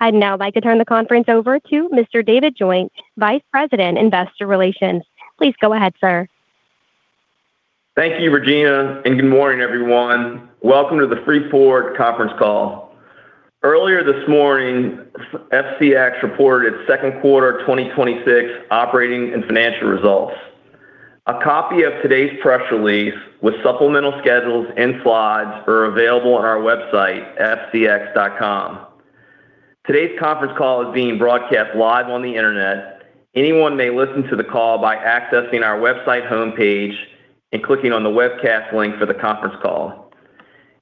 I'd now like to turn the conference over to Mr. David Joint, Vice President, Investor Relations. Please go ahead, sir. Thank you, Regina, and good morning, everyone. Welcome to the Freeport-McMoRan conference call. Earlier this morning, FCX reported its Q2 2026 operating and financial results. A copy of today's press release with supplemental schedules and slides are available on our website, fcx.com. Today's conference call is being broadcast live on the internet. Anyone may listen to the call by accessing our website homepage and clicking on the webcast link for the conference call.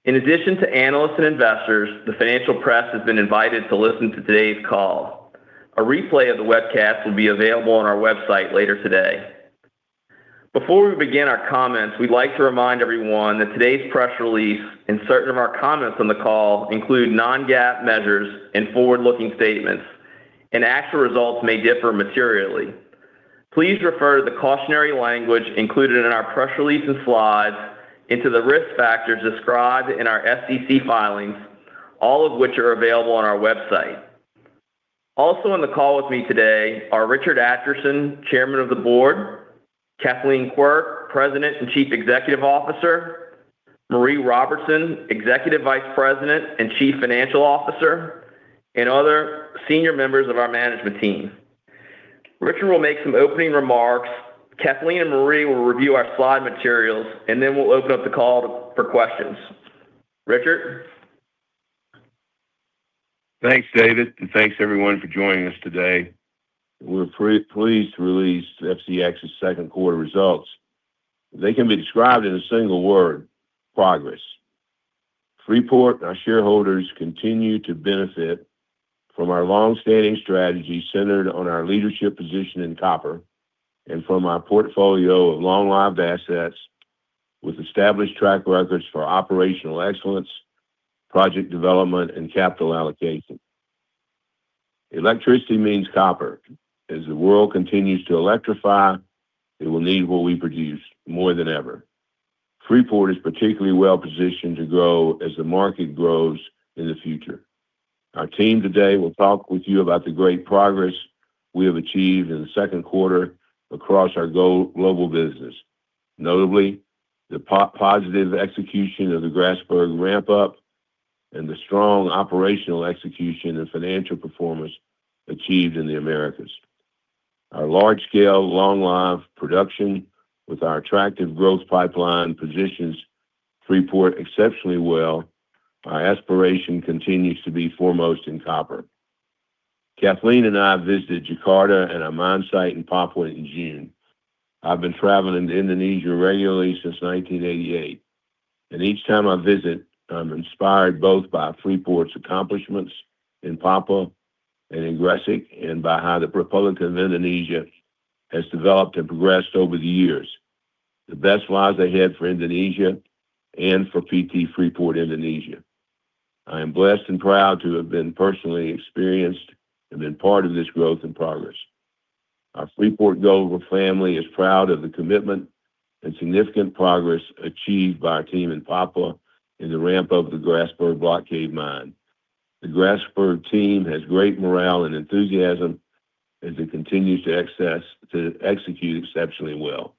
In addition to analysts and investors, the financial press has been invited to listen to today's call. A replay of the webcast will be available on our website later today. Before we begin our comments, we'd like to remind everyone that today's press release and certain of our comments on the call include non-GAAP measures and forward-looking statements. Actual results may differ materially. Please refer to the cautionary language included in our press release and slides into the risk factors described in our SEC filings, all of which are available on our website. Also on the call with me today are Richard Adkerson, Chairman of the Board, Kathleen Quirk, President and Chief Executive Officer, Maree Robertson, Executive Vice President and Chief Financial Officer, and other senior members of our management team. Richard will make some opening remarks, Kathleen and Maree will review our slide materials. We'll open up the call for questions. Richard? Thanks, David, and thanks, everyone, for joining us today. We're pleased to release FCX's Q2 results. They can be described in a single word, progress. Freeport-McMoRan and our shareholders continue to benefit from our longstanding strategy centered on our leadership position in copper and from our portfolio of long-lived assets with established track records for operational excellence, project development, and capital allocation. Electricity means copper. As the world continues to electrify, it will need what we produce more than ever. Freeport-McMoRan is particularly well-positioned to grow as the market grows in the future. Our team today will talk with you about the great progress we have achieved in the Q2 across our global business. Notably, the positive execution of the Grasberg ramp up and the strong operational execution and financial performance achieved in the Americas. Our large-scale, long-lived production with our attractive growth pipeline positions Freeport-McMoRan exceptionally well. Our aspiration continues to be foremost in copper. Kathleen and I visited Jakarta and a mine site in Papua in June. I've been traveling to Indonesia regularly since 1988. Each time I visit, I'm inspired both by Freeport-McMoRan's accomplishments in Papua and in Gresik and by how the Republic of Indonesia has developed and progressed over the years. The best lies ahead for Indonesia and for PT Freeport-McMoRan Indonesia. I am blessed and proud to have been personally experienced and been part of this growth and progress. Our Freeport-McMoRan global family is proud of the commitment and significant progress achieved by our team in Papua in the ramp up of the Grasberg Block Cave Mine. The Grasberg team has great morale and enthusiasm as it continues to execute exceptionally well.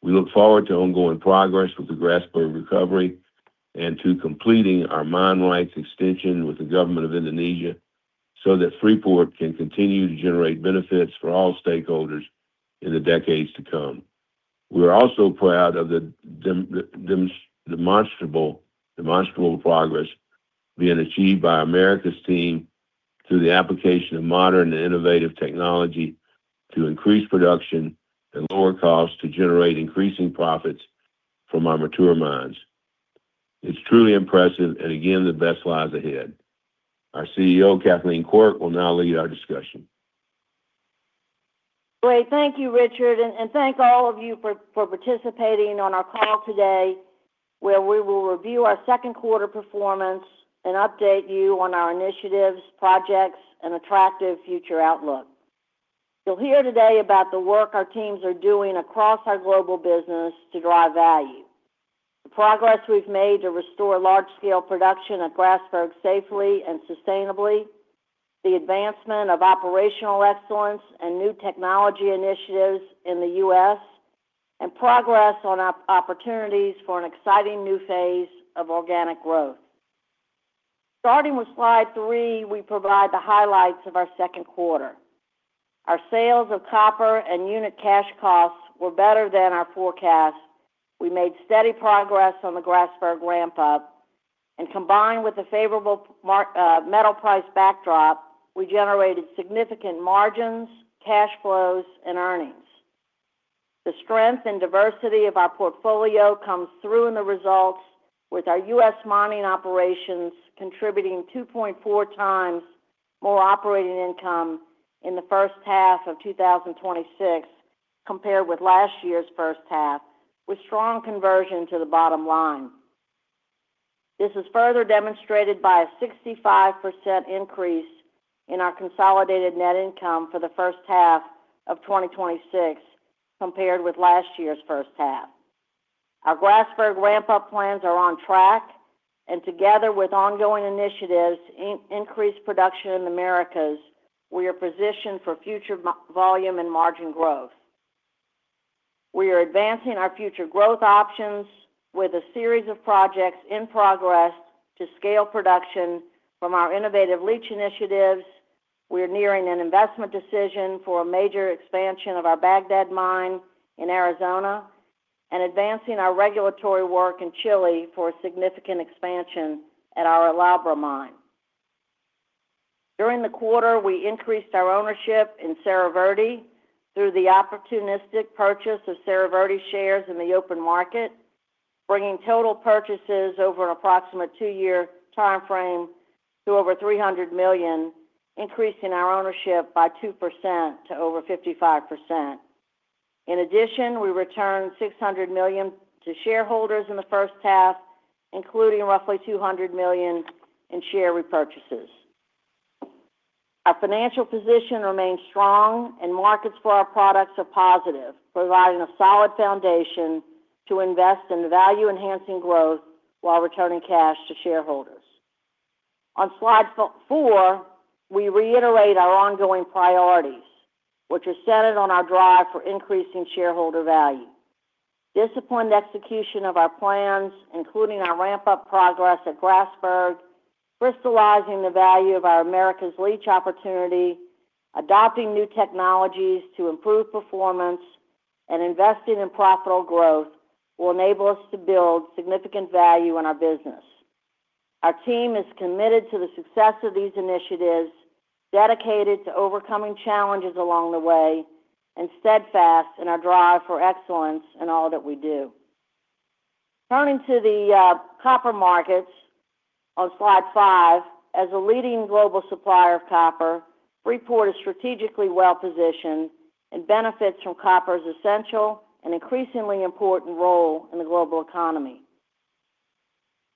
We look forward to ongoing progress with the Grasberg recovery and to completing our mine rights extension with the government of Indonesia so that Freeport-McMoRan can continue to generate benefits for all stakeholders in the decades to come. We are also proud of the demonstrable progress being achieved by America's team through the application of modern and innovative technology to increase production and lower costs to generate increasing profits from our mature mines. It's truly impressive and again, the best lies ahead. Our CEO, Kathleen Quirk, will now lead our discussion. Great. Thank you, Richard, and thanks all of you for participating on our call today where we will review our Q2 performance and update you on our initiatives, projects, and attractive future outlook. You'll hear today about the work our teams are doing across our global business to drive value. The progress we've made to restore large-scale production at Grasberg safely and sustainably, the advancement of operational excellence and new technology initiatives in the U.S., and progress on opportunities for an exciting new phase of organic growth. Starting with slide three, we provide the highlights of our Q2. Our sales of copper and unit cash costs were better than our forecast. We made steady progress on the Grasberg ramp up. Combined with the favorable metal price backdrop, we generated significant margins, cash flows, and earnings. The strength and diversity of our portfolio comes through in the results with our U.S. mining operations contributing 2.4 times more operating income in the first half of 2026 compared with last year's first half, with strong conversion to the bottom line. This is further demonstrated by a 65% increase in our consolidated net income for the first half of 2026 compared with last year's first half. Our Grasberg ramp-up plans are on track, together with ongoing initiatives to increase production in the Americas, we are positioned for future volume and margin growth. We are advancing our future growth options with a series of projects in progress to scale production from our innovative leach initiatives. We are nearing an investment decision for a major expansion of our Bagdad mine in Arizona and advancing our regulatory work in Chile for a significant expansion at our El Abra mine. During the quarter, we increased our ownership in Cerro Verde through the opportunistic purchase of Cerro Verde shares in the open market, bringing total purchases over an approximate two-year timeframe to over $300 million, increasing our ownership by 2% to over 55%. In addition, we returned $600 million to shareholders in the first half, including roughly $200 million in share repurchases. Our financial position remains strong and markets for our products are positive, providing a solid foundation to invest in value-enhancing growth while returning cash to shareholders. On slide four, we reiterate our ongoing priorities, which are centered on our drive for increasing shareholder value. Disciplined execution of our plans, including our ramp-up progress at Grasberg, crystallizing the value of our Americas leach opportunity, adopting new technologies to improve performance, and investing in profitable growth, will enable us to build significant value in our business. Our team is committed to the success of these initiatives, dedicated to overcoming challenges along the way, and steadfast in our drive for excellence in all that we do. Turning to the copper markets on slide five. As a leading global supplier of copper, Freeport-McMoRan is strategically well-positioned and benefits from copper's essential and increasingly important role in the global economy.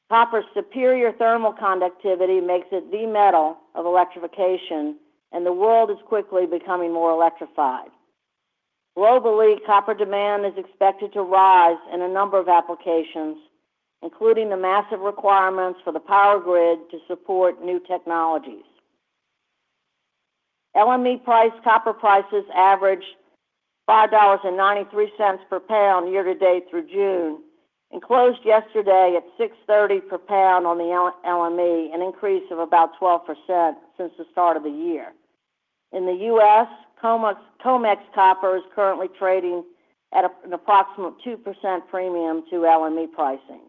Copper's superior thermal conductivity makes it the metal of electrification, and the world is quickly becoming more electrified. Globally, copper demand is expected to rise in a number of applications, including the massive requirements for the power grid to support new technologies. LME price copper prices averaged $5.93 per pound year-to-date through June and closed yesterday at $6.30 per pound on the LME, an increase of about 12% since the start of the year. In the U.S., COMEX copper is currently trading at an approximate 2% premium to LME pricing.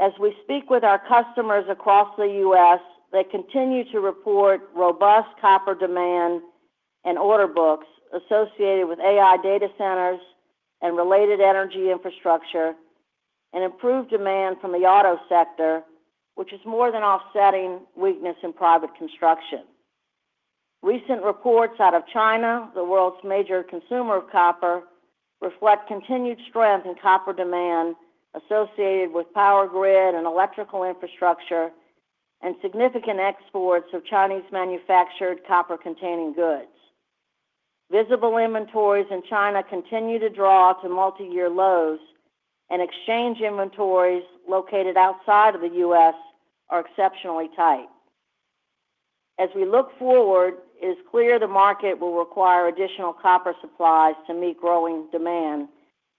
As we speak with our customers across the U.S., they continue to report robust copper demand and order books associated with AI data centers and related energy infrastructure and improved demand from the auto sector, which is more than offsetting weakness in private construction. Recent reports out of China, the world's major consumer of copper, reflect continued strength in copper demand associated with power grid and electrical infrastructure and significant exports of Chinese-manufactured copper-containing goods. Visible inventories in China continue to draw to multi-year lows, and exchange inventories located outside of the U.S. are exceptionally tight. As we look forward, it's clear the market will require additional copper supplies to meet growing demand.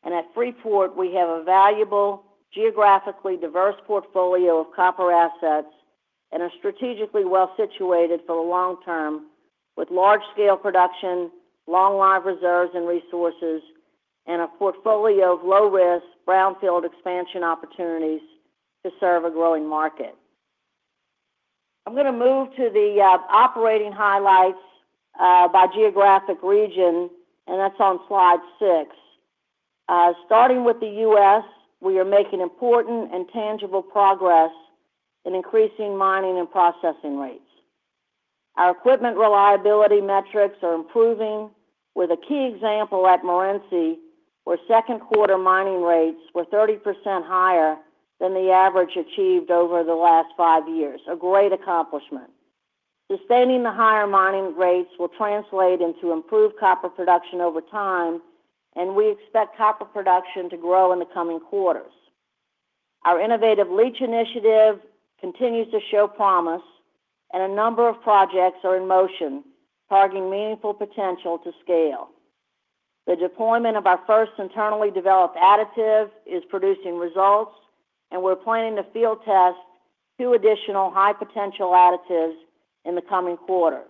At Freeport-McMoRan, we have a valuable, geographically diverse portfolio of copper assets and are strategically well-situated for the long term with large-scale production, long live reserves and resources, and a portfolio of low-risk brownfield expansion opportunities to serve a growing market. I'm going to move to the operating highlights by geographic region, and that's on slide six. Starting with the U.S., we are making important and tangible progress in increasing mining and processing rates. Our equipment reliability metrics are improving with a key example at Morenci, where Q2 mining rates were 30% higher than the average achieved over the last five years. A great accomplishment. Sustaining the higher mining rates will translate into improved copper production over time, and we expect copper production to grow in the coming quarters. Our innovative leach initiative continues to show promise. A number of projects are in motion targeting meaningful potential to scale. The deployment of our first internally developed additive is producing results. We're planning to field test two additional high-potential additives in the coming quarters.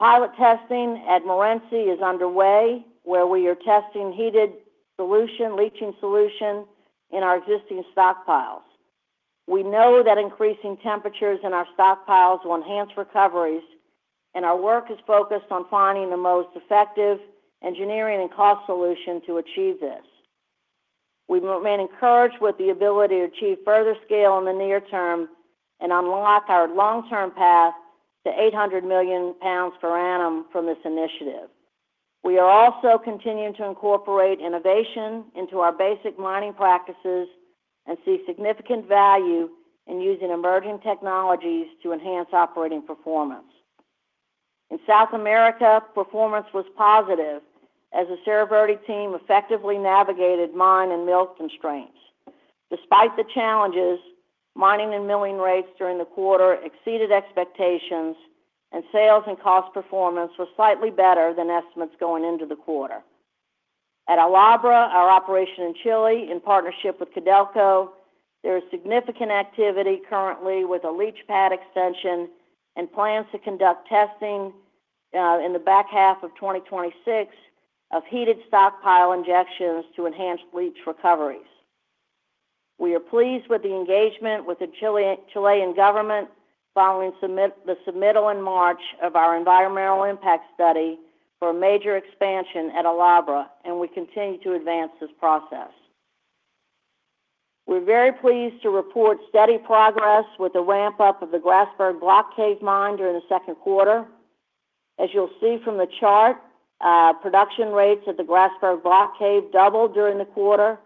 Pilot testing at Morenci is underway, where we are testing heated leaching solution in our existing stockpiles. We know that increasing temperatures in our stockpiles will enhance recoveries. Our work is focused on finding the most effective engineering and cost solution to achieve this. We remain encouraged with the ability to achieve further scale in the near term and unlock our long-term path to 800 million pounds per annum from this initiative. We are also continuing to incorporate innovation into our basic mining practices and see significant value in using emerging technologies to enhance operating performance. In South America, performance was positive as the Cerro Verde team effectively navigated mine and mill constraints. Despite the challenges, mining and milling rates during the quarter exceeded expectations. Sales and cost performance was slightly better than estimates going into the quarter. At El Abra, our operation in Chile, in partnership with Codelco, there is significant activity currently with a leach pad extension. Plans to conduct testing in the back half of 2026 of heated stockpile injections to enhance leach recoveries. We are pleased with the engagement with the Chilean government following the submittal in March of our environmental impact study for a major expansion at El Abra. We continue to advance this process. We're very pleased to report steady progress with the ramp-up of the Grasberg Block Cave mine during the Q2. As you'll see from the chart, production rates at the Grasberg Block Cave doubled during the quarter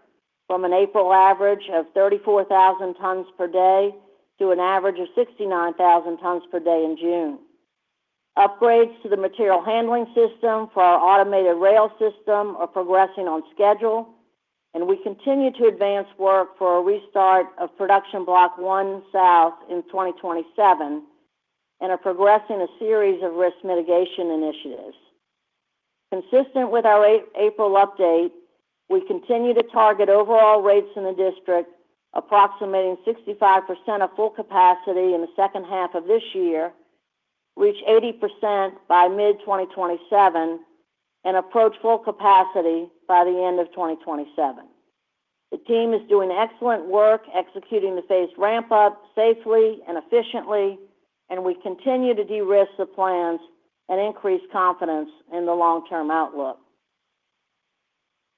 from an April average of 34,000 tons per day to an average of 69,000 tons per day in June. Upgrades to the material handling system for our automated rail system are progressing on schedule. We continue to advance work for a restart of Production Block One South in 2027. Are progressing a series of risk mitigation initiatives. Consistent with our April update, we continue to target overall rates in the district approximating 65% of full capacity in the second half of this year, reach 80% by mid-2027, and approach full capacity by the end of 2027. The team is doing excellent work executing the phased ramp-up safely and efficiently. We continue to de-risk the plans and increase confidence in the long-term outlook.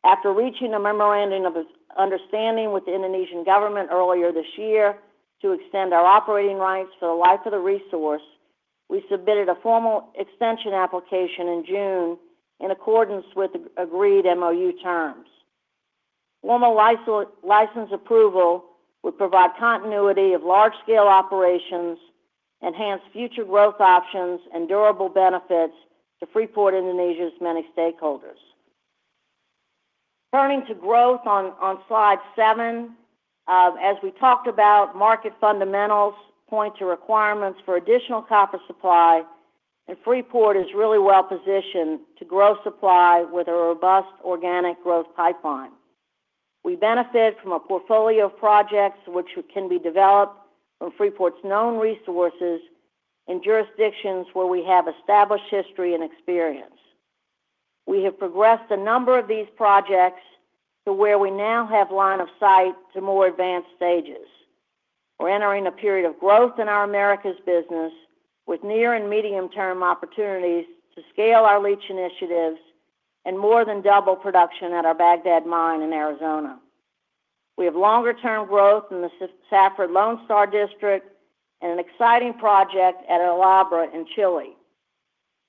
After reaching a memorandum of understanding with the Indonesian government earlier this year to extend our operating rights for the life of the resource, we submitted a formal extension application in June in accordance with agreed MOU terms. Formal license approval would provide continuity of large-scale operations, enhance future growth options. Durable benefits to Freeport-McMoRan Indonesia's many stakeholders. Turning to growth on slide seven. As we talked about, market fundamentals point to requirements for additional copper supply. Freeport is really well-positioned to grow supply with a robust organic growth pipeline. We benefit from a portfolio of projects which can be developed from Freeport's known resources in jurisdictions where we have established history and experience. We have progressed a number of these projects to where we now have line of sight to more advanced stages. We're entering a period of growth in our Americas business with near and medium-term opportunities to scale our leach initiatives and more than double production at our Bagdad mine in Arizona. We have longer-term growth in the Safford Lone Star District and an exciting project at El Abra in Chile.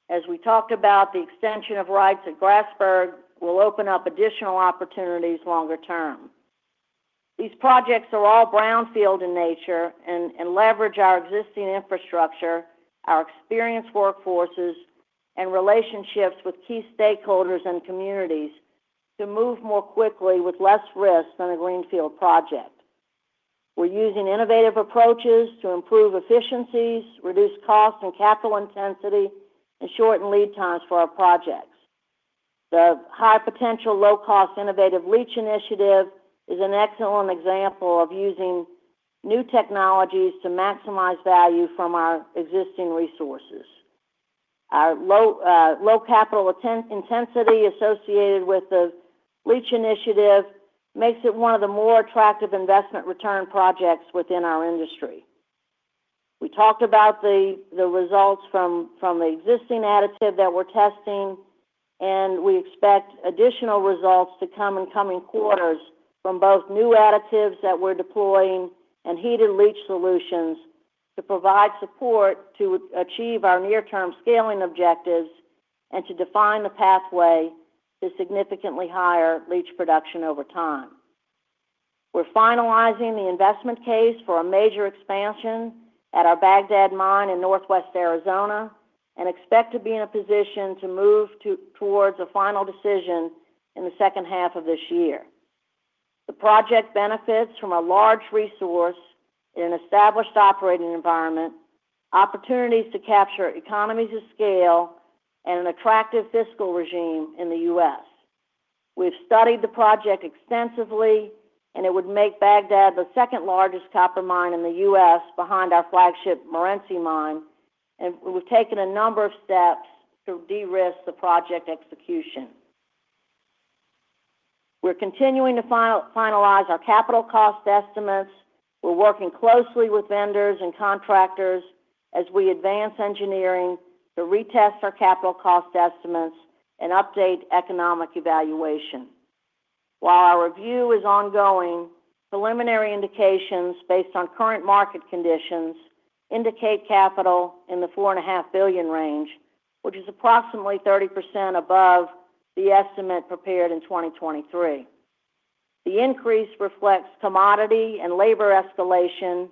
As we talked about, the extension of rights at Grasberg will open up additional opportunities longer term. These projects are all brownfield in nature and leverage our existing infrastructure, our experienced workforces, and relationships with key stakeholders and communities to move more quickly with less risk than a greenfield project. We're using innovative approaches to improve efficiencies, reduce cost and capital intensity, and shorten lead times for our projects. The high-potential, low-cost innovative leach initiative is an excellent example of using new technologies to maximize value from our existing resources. Our low capital intensity associated with the leach initiative makes it one of the more attractive investment return projects within our industry. We talked about the results from the existing additive that we're testing, and we expect additional results to come in coming quarters from both new additives that we're deploying and heated leach solutions to provide support to achieve our near-term scaling objectives and to define the pathway to significantly higher leach production over time. We're finalizing the investment case for a major expansion at our Bagdad mine in northwest Arizona and expect to be in a position to move towards a final decision in the second half of this year. The project benefits from a large resource in an established operating environment, opportunities to capture economies of scale, and an attractive fiscal regime in the U.S. We've studied the project extensively, and it would make Bagdad the second-largest copper mine in the U.S. behind our flagship Morenci mine, and we've taken a number of steps to de-risk the project execution. We're continuing to finalize our capital cost estimates. We're working closely with vendors and contractors as we advance engineering to retest our capital cost estimates and update economic evaluation. While our review is ongoing, preliminary indications based on current market conditions indicate capital in the $4.5 billion range, which is approximately 30% above the estimate prepared in 2023. The increase reflects commodity and labor escalation,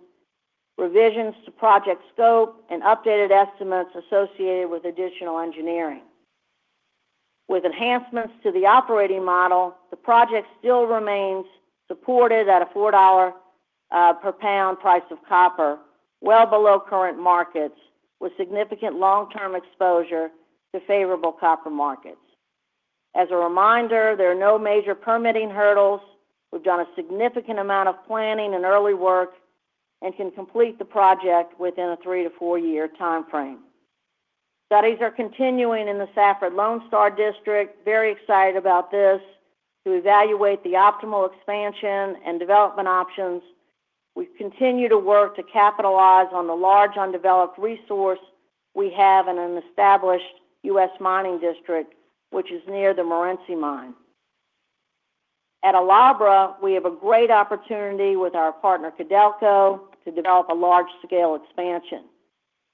revisions to project scope, and updated estimates associated with additional engineering. With enhancements to the operating model, the project still remains supported at a $4 per pound price of copper well below current markets, with significant long-term exposure to favorable copper markets. As a reminder, there are no major permitting hurdles. We've done a significant amount of planning and early work and can complete the project within a three-to-four-year time frame. Studies are continuing in the Safford Lone Star District, very excited about this, to evaluate the optimal expansion and development options. We continue to work to capitalize on the large undeveloped resource we have in an established U.S. mining district, which is near the Morenci mine. At El Abra, we have a great opportunity with our partner Codelco to develop a large-scale expansion.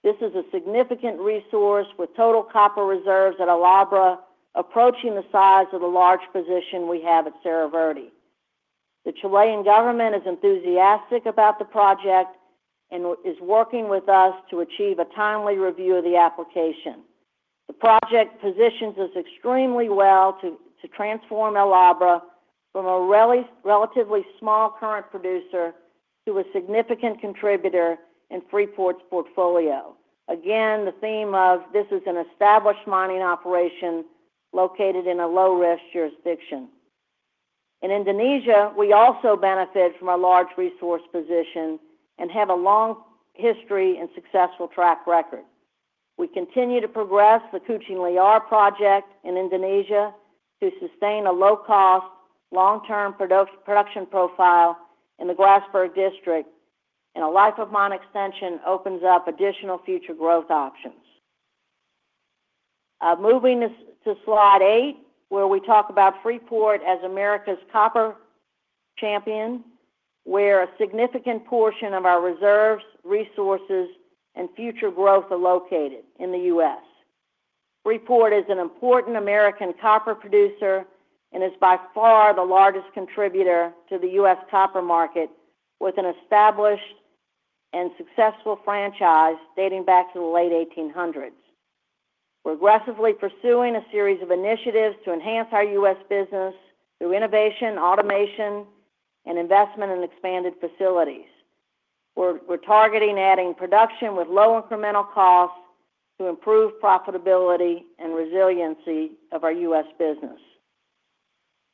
This is a significant resource with total copper reserves at El Abra approaching the size of the large position we have at Cerro Verde. The Chilean government is enthusiastic about the project and is working with us to achieve a timely review of the application. The project positions us extremely well to transform El Abra from a relatively small current producer to a significant contributor in Freeport-McMoRan's portfolio. Again, the theme of this is an established mining operation located in a low-risk jurisdiction. In Indonesia, we also benefit from a large resource position and have a long history and successful track record. We continue to progress the Kucing Liar project in Indonesia to sustain a low-cost, long-term production profile in the Grasberg district, and a life of mine extension opens up additional future growth options. Moving to slide eight, where we talk about Freeport-McMoRan as America's copper champion, where a significant portion of our reserves, resources, and future growth are located in the U.S. Freeport-McMoRan is an important American copper producer and is by far the largest contributor to the U.S. copper market with an established and successful franchise dating back to the late 1800s. We're aggressively pursuing a series of initiatives to enhance our U.S. business through innovation, automation, and investment in expanded facilities. We're targeting adding production with low incremental costs to improve profitability and resiliency of our U.S. business.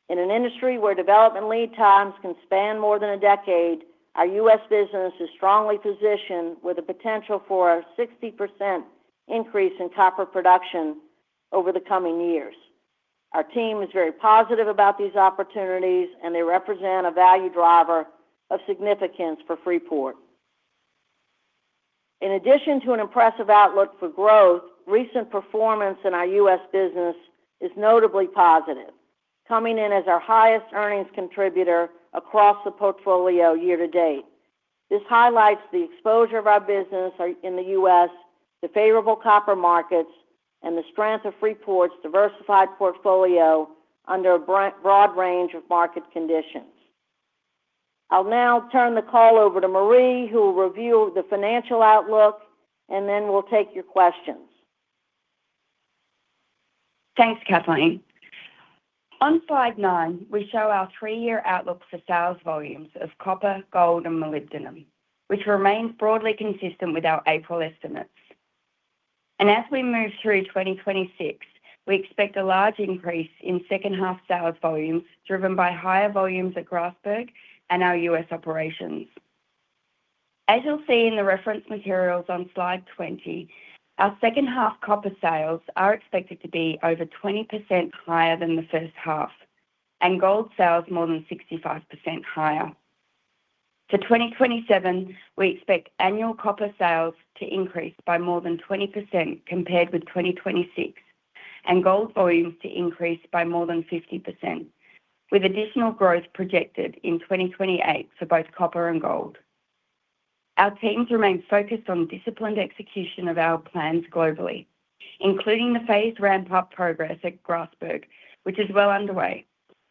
In an industry where development lead times can span more than a decade, our U.S. business is strongly positioned with the potential for a 60% increase in copper production over the coming years. Our team is very positive about these opportunities, and they represent a value driver of significance for Freeport-McMoRan. In addition to an impressive outlook for growth, recent performance in our U.S. business is notably positive, coming in as our highest earnings contributor across the portfolio year-to-date. This highlights the exposure of our business in the U.S., the favorable copper markets, and the strength of Freeport-McMoRan's diversified portfolio under a broad range of market conditions. I'll now turn the call over to Maree, who will review the financial outlook, and then we'll take your questions. Thanks, Kathleen. On slide nine, we show our three-year outlook for sales volumes of copper, gold, and molybdenum, which remains broadly consistent with our April estimates. As we move through 2026, we expect a large increase in second half sales volumes driven by higher volumes at Grasberg and our U.S. operations. As you'll see in the reference materials on Slide 20, our second half copper sales are expected to be over 20% higher than the first half, and gold sales more than 65% higher. To 2027, we expect annual copper sales to increase by more than 20% compared with 2026, and gold volumes to increase by more than 50%, with additional growth projected in 2028 for both copper and gold. Our teams remain focused on disciplined execution of our plans globally, including the phased ramp-up progress at Grasberg, which is well underway,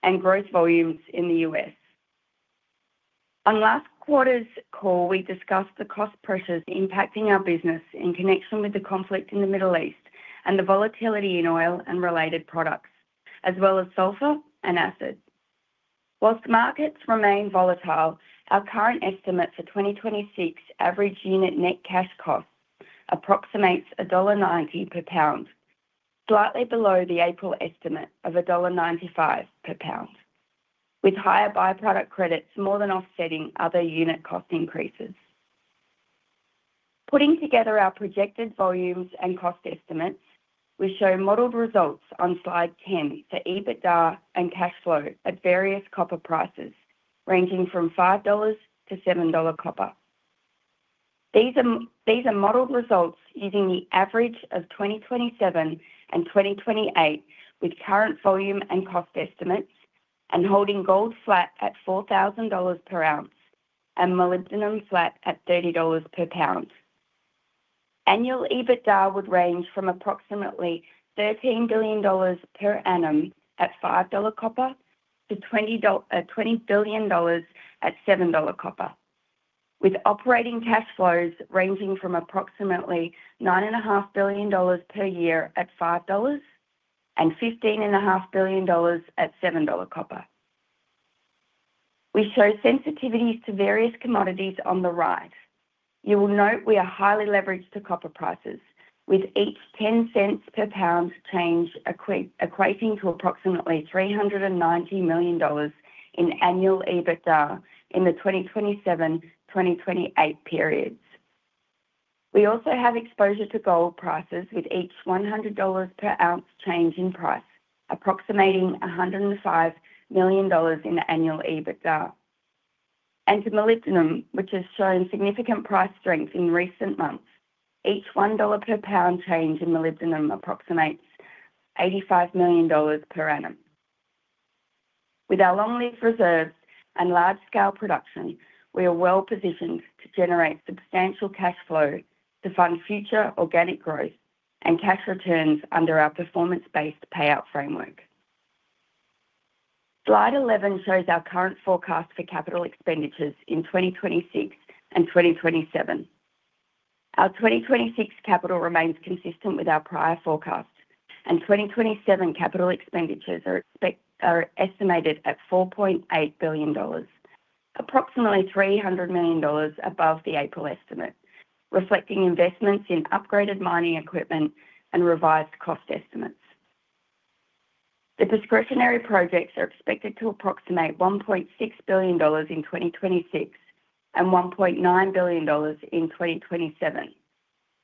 and growth volumes in the U.S. On last quarter's call, we discussed the cost pressures impacting our business in connection with the conflict in the Middle East and the volatility in oil and related products, as well as sulfur and acid. While markets remain volatile, our current estimate for 2026 average unit net cash costs approximates $1.90 per pound, slightly below the April estimate of $1.95 per pound, with higher by-product credits more than offsetting other unit cost increases. Putting together our projected volumes and cost estimates, we show modeled results on Slide 10 for EBITDA and cash flow at various copper prices ranging from $5-$7 copper. These are modeled results using the average of 2027 and 2028 with current volume and cost estimates and holding gold flat at $4,000 per ounce and molybdenum flat at $30 per pound. Annual EBITDA would range from approximately $13 billion per annum at $5 copper to $20 billion at $7 copper, with operating cash flows ranging from approximately $9.5 billion per year at $5 and $15.5 billion at $7 copper. We show sensitivities to various commodities on the right. You will note we are highly leveraged to copper prices, with each $0.10 per pound change equating to approximately $390 million in annual EBITDA in the 2027, 2028 periods. We also have exposure to gold prices, with each $100 per ounce change in price approximating $105 million in annual EBITDA. To molybdenum, which has shown significant price strength in recent months. Each $1 per pound change in molybdenum approximates $85 million per annum. With our long-lived reserves and large-scale production, we are well-positioned to generate substantial cash flow to fund future organic growth and cash returns under our performance-based payout framework. Slide 11 shows our current forecast for capital expenditures in 2026 and 2027. Our 2026 capital remains consistent with our prior forecast, and 2027 capital expenditures are estimated at $4.8 billion, approximately $300 million above the April estimate, reflecting investments in upgraded mining equipment and revised cost estimates. The discretionary projects are expected to approximate $1.6 billion in 2026 and $1.9 billion in 2027,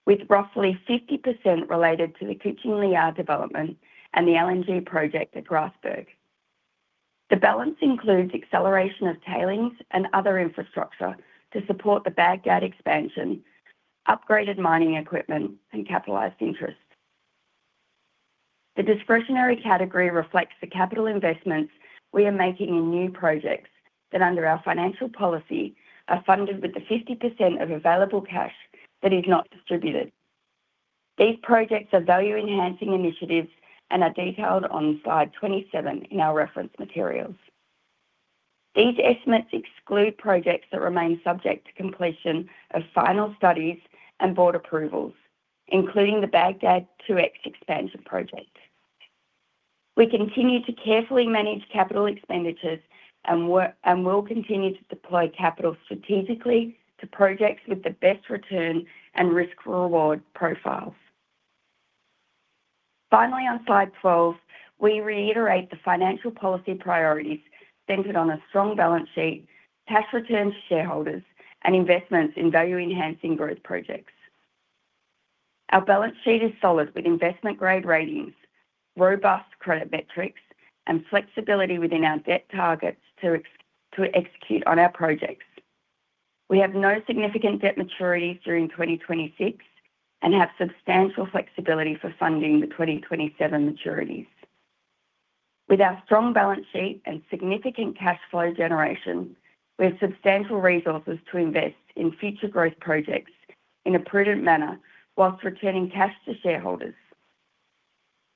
with roughly 50% related to the Kucing Liar development and the LNG project at Grasberg. The balance includes acceleration of tailings and other infrastructure to support the Bagdad expansion, upgraded mining equipment, and capitalized interest. The discretionary category reflects the capital investments we are making in new projects that, under our financial policy, are funded with the 50% of available cash that is not distributed. These projects are value-enhancing initiatives and are detailed on Slide 27 in our reference materials. These estimates exclude projects that remain subject to completion of final studies and board approvals, including the Bagdad 2X expansion project. We continue to carefully manage capital expenditures and will continue to deploy capital strategically to projects with the best return and risk-reward profiles. Finally, on Slide 12, we reiterate the financial policy priorities centered on a strong balance sheet, cash return to shareholders, and investments in value-enhancing growth projects. Our balance sheet is solid with investment-grade ratings, robust credit metrics, and flexibility within our debt targets to execute on our projects. We have no significant debt maturities during 2026 and have substantial flexibility for funding the 2027 maturities. With our strong balance sheet and significant cash flow generation, we have substantial resources to invest in future growth projects in a prudent manner while returning cash to shareholders.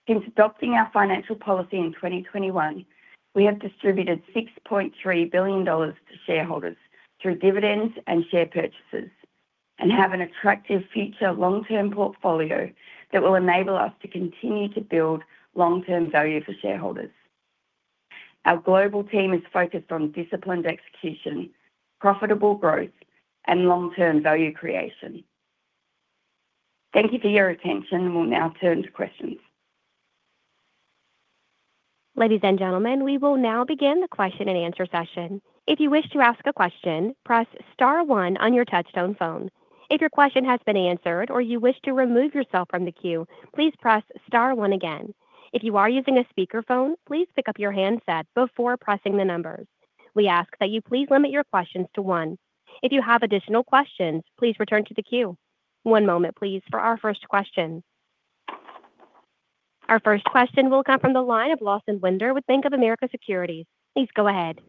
Since adopting our financial policy in 2021, we have distributed $6.3 billion to shareholders through dividends and share purchases and have an attractive future long-term portfolio that will enable us to continue to build long-term value for shareholders. Our global team is focused on disciplined execution, profitable growth, and long-term value creation. Thank you for your attention. We'll now turn to questions. Ladies and gentlemen, we will now begin the question and answer session. If you wish to ask a question, press star one on your touch-tone phone. If your question has been answered or you wish to remove yourself from the queue, please press star one again. If you are using a speakerphone, please pick up your handset before pressing the numbers. We ask that you please limit your questions to one. If you have additional questions, please return to the queue. One moment, please, for our first question. Our first question will come from the line of Lawson Winder with Bank of America Securities. Please go ahead.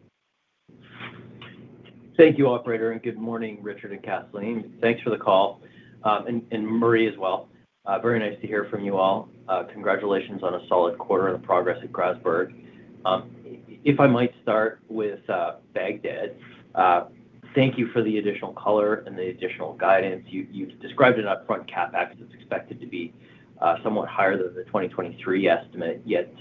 Thank you, operator, and good morning, Richard and Kathleen. Thanks for the call, and Maree as well. Very nice to hear from you all. Congratulations on a solid quarter and the progress at Grasberg. If I might start with Bagdad. Thank you for the additional color and the additional guidance. You described an upfront CapEx that's expected to be somewhat higher than the 2023 estimate, yet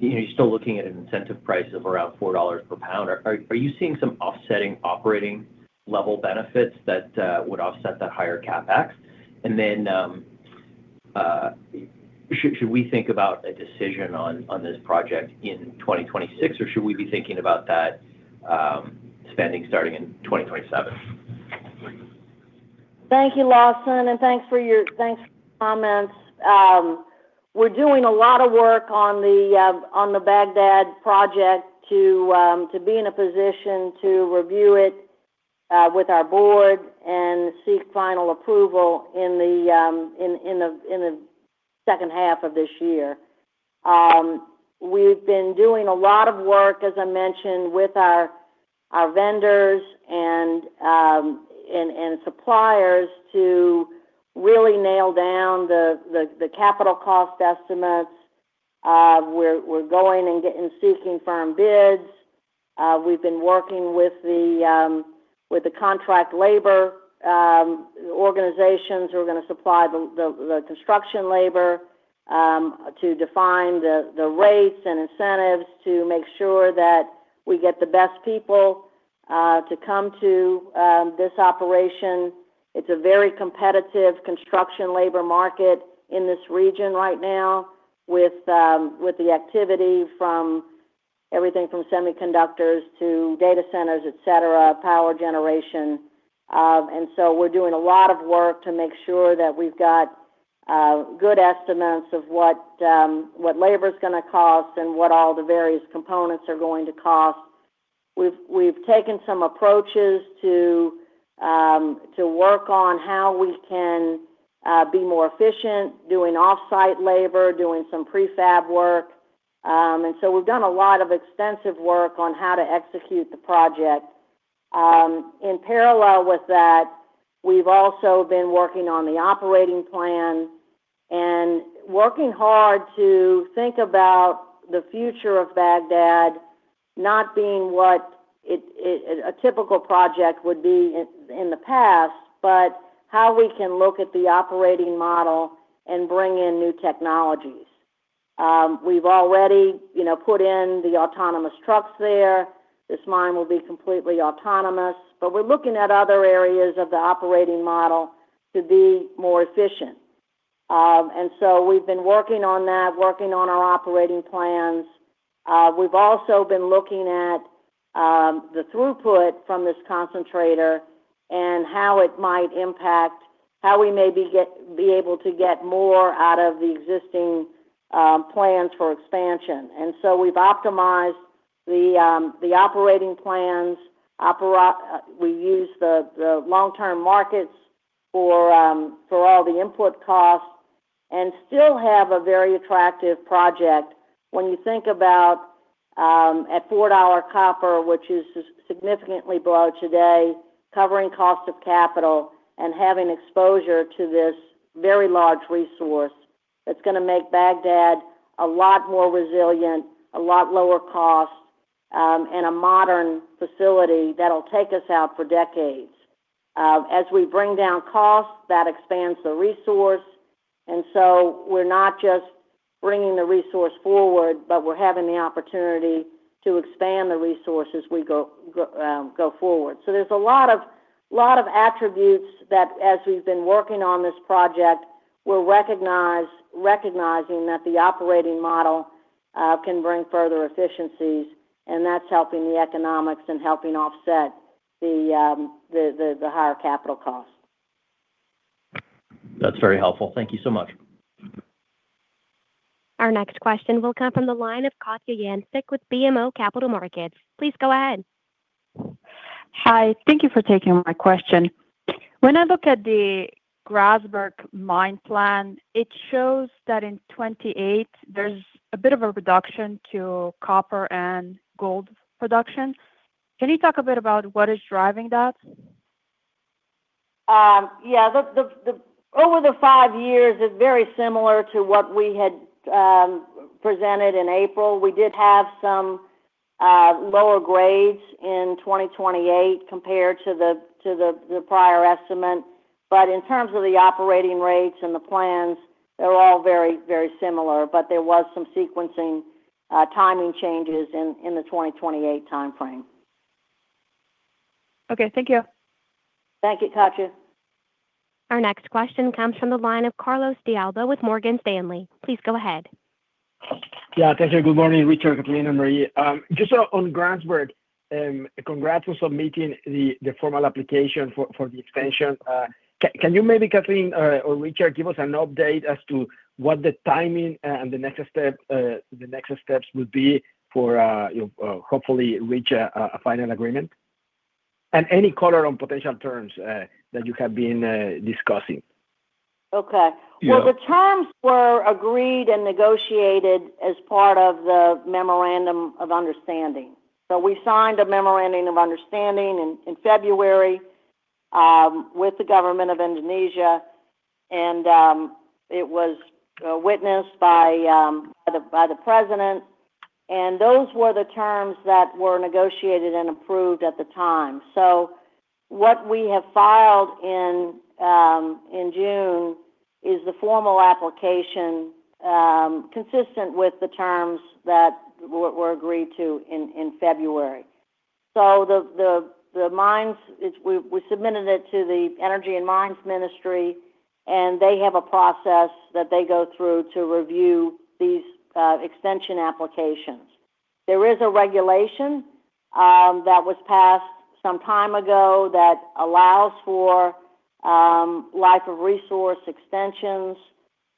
you're still looking at an incentive price of around $4 per pound. Are you seeing some offsetting operating level benefits that would offset that higher CapEx? Should we think about a decision on this project in 2026, or should we be thinking about that spending starting in 2027? Thank you, Lawson, and thanks for your comments. We're doing a lot of work on the Bagdad project to be in a position to review it with our board and seek final approval in the second half of this year. We've been doing a lot of work, as I mentioned, with our vendors and suppliers to really nail down the capital cost estimates. We're going and seeking firm bids. We've been working with the contract labor organizations who are going to supply the construction labor to define the rates and incentives to make sure that we get the best people to come to this operation. It's a very competitive construction labor market in this region right now with the activity from everything from semiconductors to data centers, et cetera, power generation. So we're doing a lot of work to make sure that we've got good estimates of what labor's going to cost and what all the various components are going to cost. We've taken some approaches to work on how we can be more efficient, doing offsite labor, doing some prefab work. We've done a lot of extensive work on how to execute the project. In parallel with that, we've also been working on the operating plan and working hard to think about the future of Bagdad not being what a typical project would be in the past, but how we can look at the operating model and bring in new technologies. We've already put in the autonomous trucks there. This mine will be completely autonomous. We're looking at other areas of the operating model to be more efficient. So we've been working on that, working on our operating plans. We've also been looking at the throughput from this concentrator and how we may be able to get more out of the existing plans for expansion. So we've optimized the operating plans. We use the long-term markets for all the input costs and still have a very attractive project when you think about at $4 copper, which is significantly below today, covering cost of capital and having exposure to this very large resource, that's going to make Bagdad a lot more resilient, a lot lower cost, and a modern facility that'll take us out for decades. As we bring down costs, that expands the resource, so we're not just bringing the resource forward, but we're having the opportunity to expand the resource as we go forward. There's a lot of attributes that as we've been working on this project, we're recognizing that the operating model can bring further efficiencies, and that's helping the economics and helping offset the higher capital costs. That's very helpful. Thank you so much. Our next question will come from the line of Katja Jancic with BMO Capital Markets. Please go ahead. Hi. Thank you for taking my question. When I look at the Grasberg mine plan, it shows that in 2028, there's a bit of a reduction to copper and gold production. Can you talk a bit about what is driving that? Yeah. Over the five years, it's very similar to what we had presented in April. We did have some lower grades in 2028 compared to the prior estimate. In terms of the operating rates and the plans, they're all very similar, but there was some sequencing timing changes in the 2028 timeframe. Okay. Thank you. Thank you, Katja. Our next question comes from the line of Carlos De Alba with Morgan Stanley. Please go ahead. Yeah. Thank you. Good morning, Richard, Kathleen, and Maree. Just on Grasberg, congrats on submitting the formal application for the extension. Can you maybe, Kathleen or Richard, give us an update as to what the timing and the next steps will be for hopefully reach a final agreement? Any color on potential terms that you have been discussing. Okay. Yeah. Well, the terms were agreed and negotiated as part of the memorandum of understanding. We signed a memorandum of understanding in February with the government of Indonesia, and it was witnessed by the president. Those were the terms that were negotiated and approved at the time. What we have filed in June is the formal application consistent with the terms that were agreed to in February. The mines, we submitted it to the Energy and Mines Ministry, and they have a process that they go through to review these extension applications. There is a regulation that was passed some time ago that allows for life of resource extensions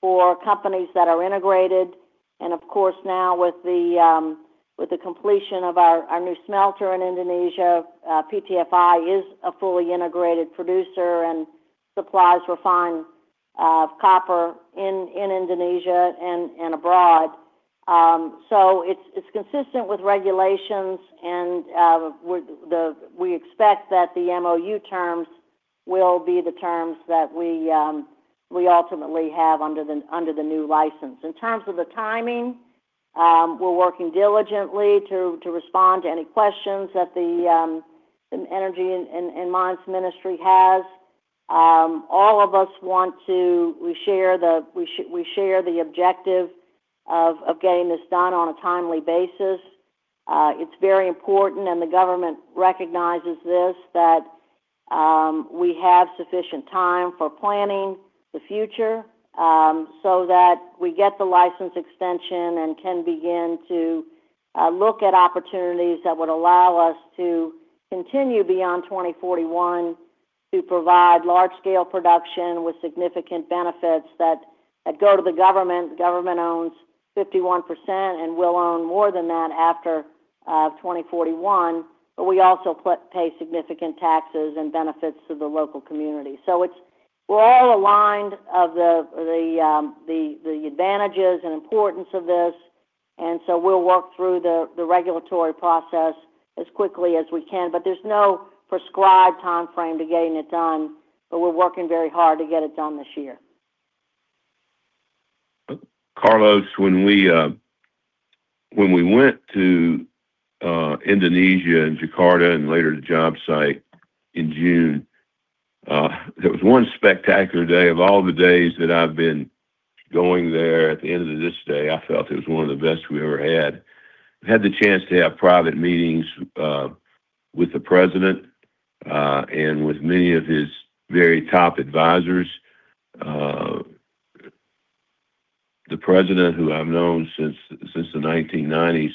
for companies that are integrated. Of course now with the completion of our new smelter in Indonesia, PTFI is a fully integrated producer and supplies refined copper in Indonesia and abroad. It's consistent with regulations and we expect that the MOU terms will be the terms that we ultimately have under the new license. In terms of the timing, we're working diligently to respond to any questions that the Energy and Mines Ministry has. We share the objective of getting this done on a timely basis. It's very important, and the government recognizes this, that we have sufficient time for planning the future, so that we get the license extension and can begin to look at opportunities that would allow us to continue beyond 2041 to provide large scale production with significant benefits that go to the government. The government owns 51% and will own more than that after 2041. We also pay significant taxes and benefits to the local community. We're all aligned of the advantages and importance of this. We'll work through the regulatory process as quickly as we can. There's no prescribed timeframe to getting it done, we're working very hard to get it done this year. Carlos, when we went to Indonesia and Jakarta and later the job site in June, there was one spectacular day of all the days that I've been going there. At the end of this day, I felt it was one of the best we ever had. Had the chance to have private meetings with the president, and with many of his very top advisors. The president, who I've known since the 1990s,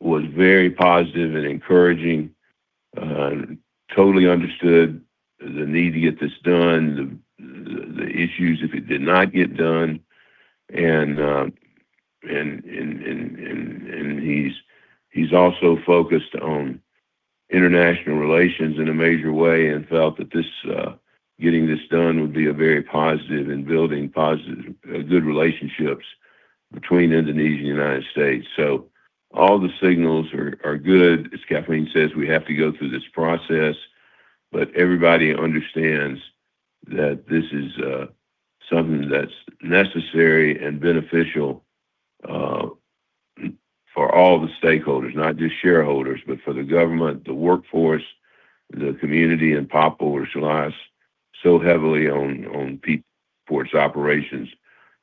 was very positive and encouraging, and totally understood the need to get this done, the issues if it did not get done. He's also focused on international relations in a major way and felt that getting this done would be a very positive in building positive, good relationships between Indonesia and United States. All the signals are good. As Kathleen says, we have to go through this process, everybody understands that this is something that's necessary and beneficial, for all the stakeholders, not just shareholders, but for the government, the workforce, the community, and Papua which relies so heavily on Freeport-McMoRan's operations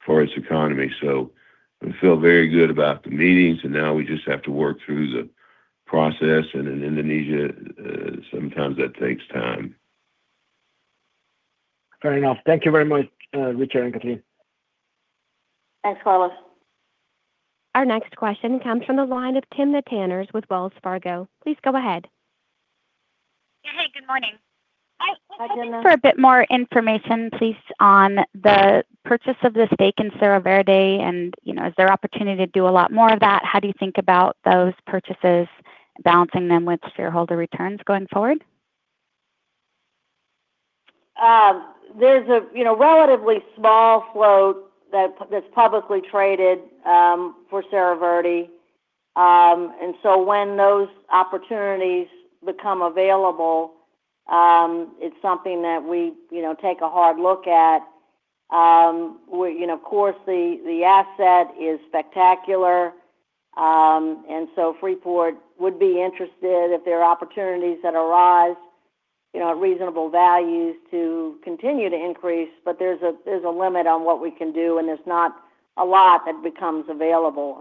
for its economy. We feel very good about the meetings, now we just have to work through the process. In Indonesia, sometimes that takes time. Fair enough. Thank you very much, Richard and Kathleen. Thanks, Carlos. Our next question comes from the line of Timna Tanners with Wells Fargo. Please go ahead. Hey, good morning. Hi. I'm looking for a bit more information, please, on the purchase of the stake in Cerro Verde. Is there opportunity to do a lot more of that? How do you think about those purchases, balancing them with shareholder returns going forward? There's a relatively small float that's publicly traded for Cerro Verde. When those opportunities become available, it's something that we take a hard look at. Of course, the asset is spectacular. Freeport-McMoRan would be interested if there are opportunities that arise at reasonable values to continue to increase. There's a limit on what we can do, and there's not a lot that becomes available.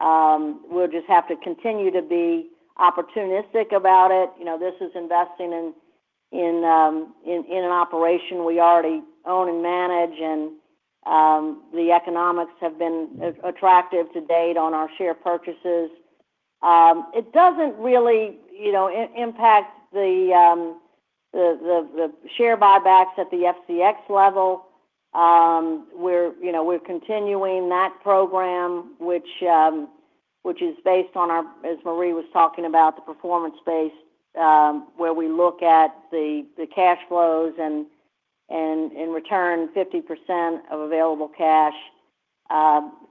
We'll just have to continue to be opportunistic about it. This is investing in an operation we already own and manage, and the economics have been attractive to date on our share purchases. It doesn't really impact the share buybacks at the FCX level. We're continuing that program, which is based on, as Maree was talking about, the performance space, where we look at the cash flows and in return, 50% of available cash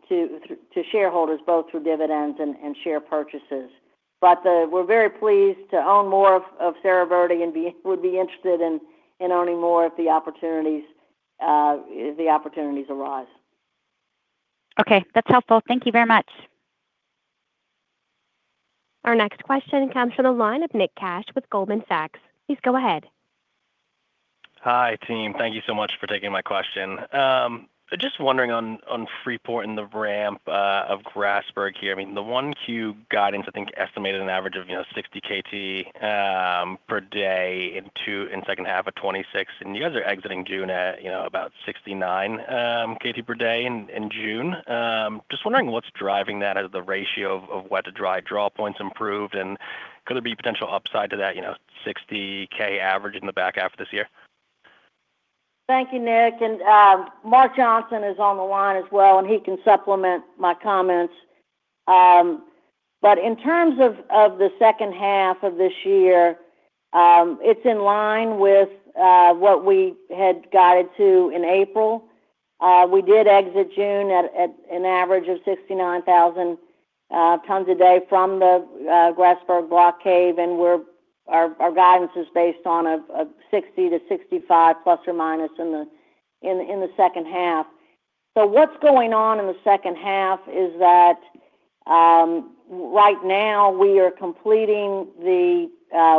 to shareholders, both through dividends and share purchases. We're very pleased to own more of Cerro Verde and would be interested in owning more if the opportunities arise. Okay. That's helpful. Thank you very much. Our next question comes from the line of Nick Cash with Goldman Sachs. Please go ahead. Hi, team. Thank you so much for taking my question. Just wondering on Freeport-McMoRan and the ramp of Grasberg here. The 1Q guidance, I think, estimated an average of 60 KT per day in second half of 2026, and you guys are exiting June at about 69 KT per day in June. Just wondering what's driving that. Is the ratio of wet to dry draw points improved, and could there be potential upside to that 60K average in the back half of this year? Thank you, Nick. Mark Johnson is on the line as well, and he can supplement my comments. In terms of the second half of this year, it's in line with what we had guided to in April. We did exit June at an average of 69,000 tons a day from the Grasberg Block Cave, and our guidance is based on a 60 to 65± minus in the second half. What's going on in the second half is that right now we are completing the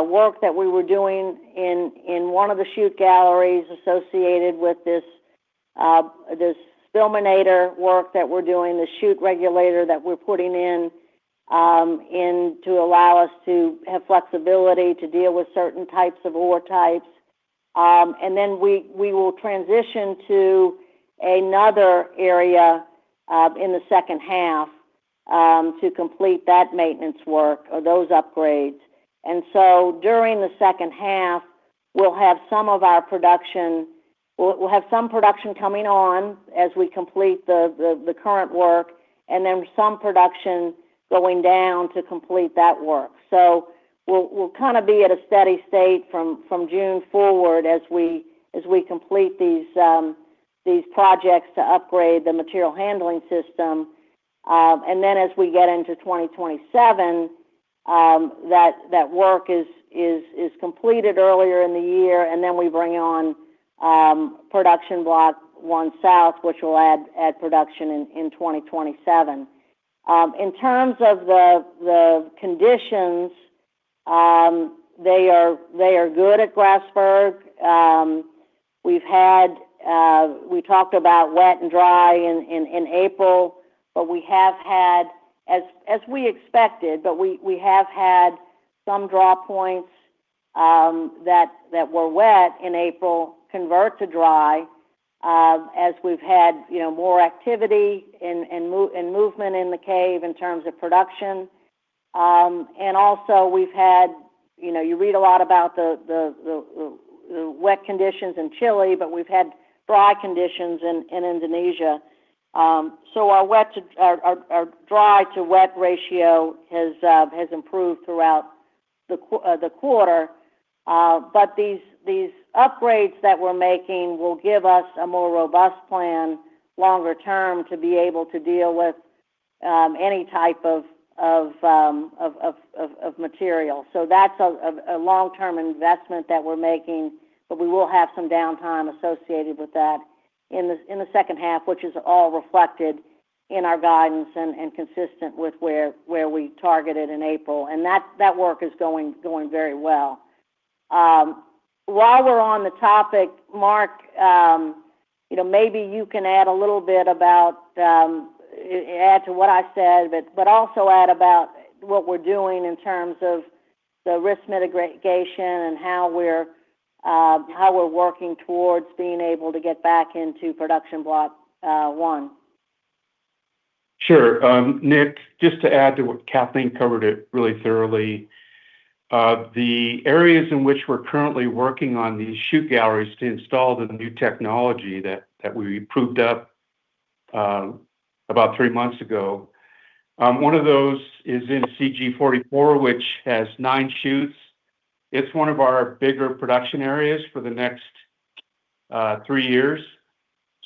work that we were doing in one of the chute galleries associated with this desliminator work that we're doing, the chute regulator that we're putting in to allow us to have flexibility to deal with certain types of ore types. We will transition to another area in the second half to complete that maintenance work or those upgrades. During the second half, we'll have some production coming on as we complete the current work and then some production going down to complete that work. We'll kind of be at a steady state from June forward as we complete these projects to upgrade the material handling system. As we get into 2027, that work is completed earlier in the year, and then we bring on Production Block One South, which will add production in 2027. In terms of the conditions, they are good at Grasberg. We talked about wet and dry in April, as we expected, but we have had some draw points that were wet in April convert to dry as we've had more activity and movement in the cave in terms of production. Also we've had, you read a lot about the wet conditions in Chile, but we've had dry conditions in Indonesia. Our dry to wet ratio has improved throughout the quarter. These upgrades that we're making will give us a more robust plan longer term to be able to deal with any type of material. That's a long-term investment that we're making, but we will have some downtime associated with that in the second half, which is all reflected in our guidance and consistent with where we targeted in April. That work is going very well. While we're on the topic, Mark, maybe you can add to what I said, but also add about what we're doing in terms of the risk mitigation and how we're working towards being able to get back into Production Block One. Sure. Nick, just to add to what Kathleen covered it really thoroughly. The areas in which we're currently working on these chute galleries to install the new technology that we proved up about three months ago. One of those is in CG-44, which has nine chutes. It's one of our bigger production areas for the next three years.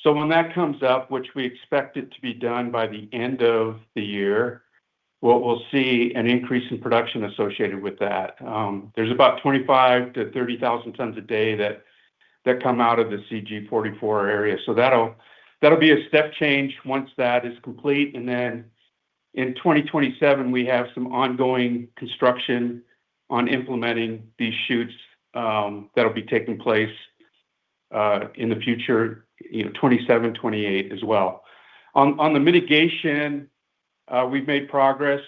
When that comes up, which we expect it to be done by the end of the year, what we'll see an increase in production associated with that. There's about 25,000 tons-30,000 tons a day that come out of the CG-44 area. That'll be a step change once that is complete. Then in 2027, we have some ongoing construction on implementing these chutes that'll be taking place, in the future, 2027, 2028 as well. On the mitigation, we've made progress.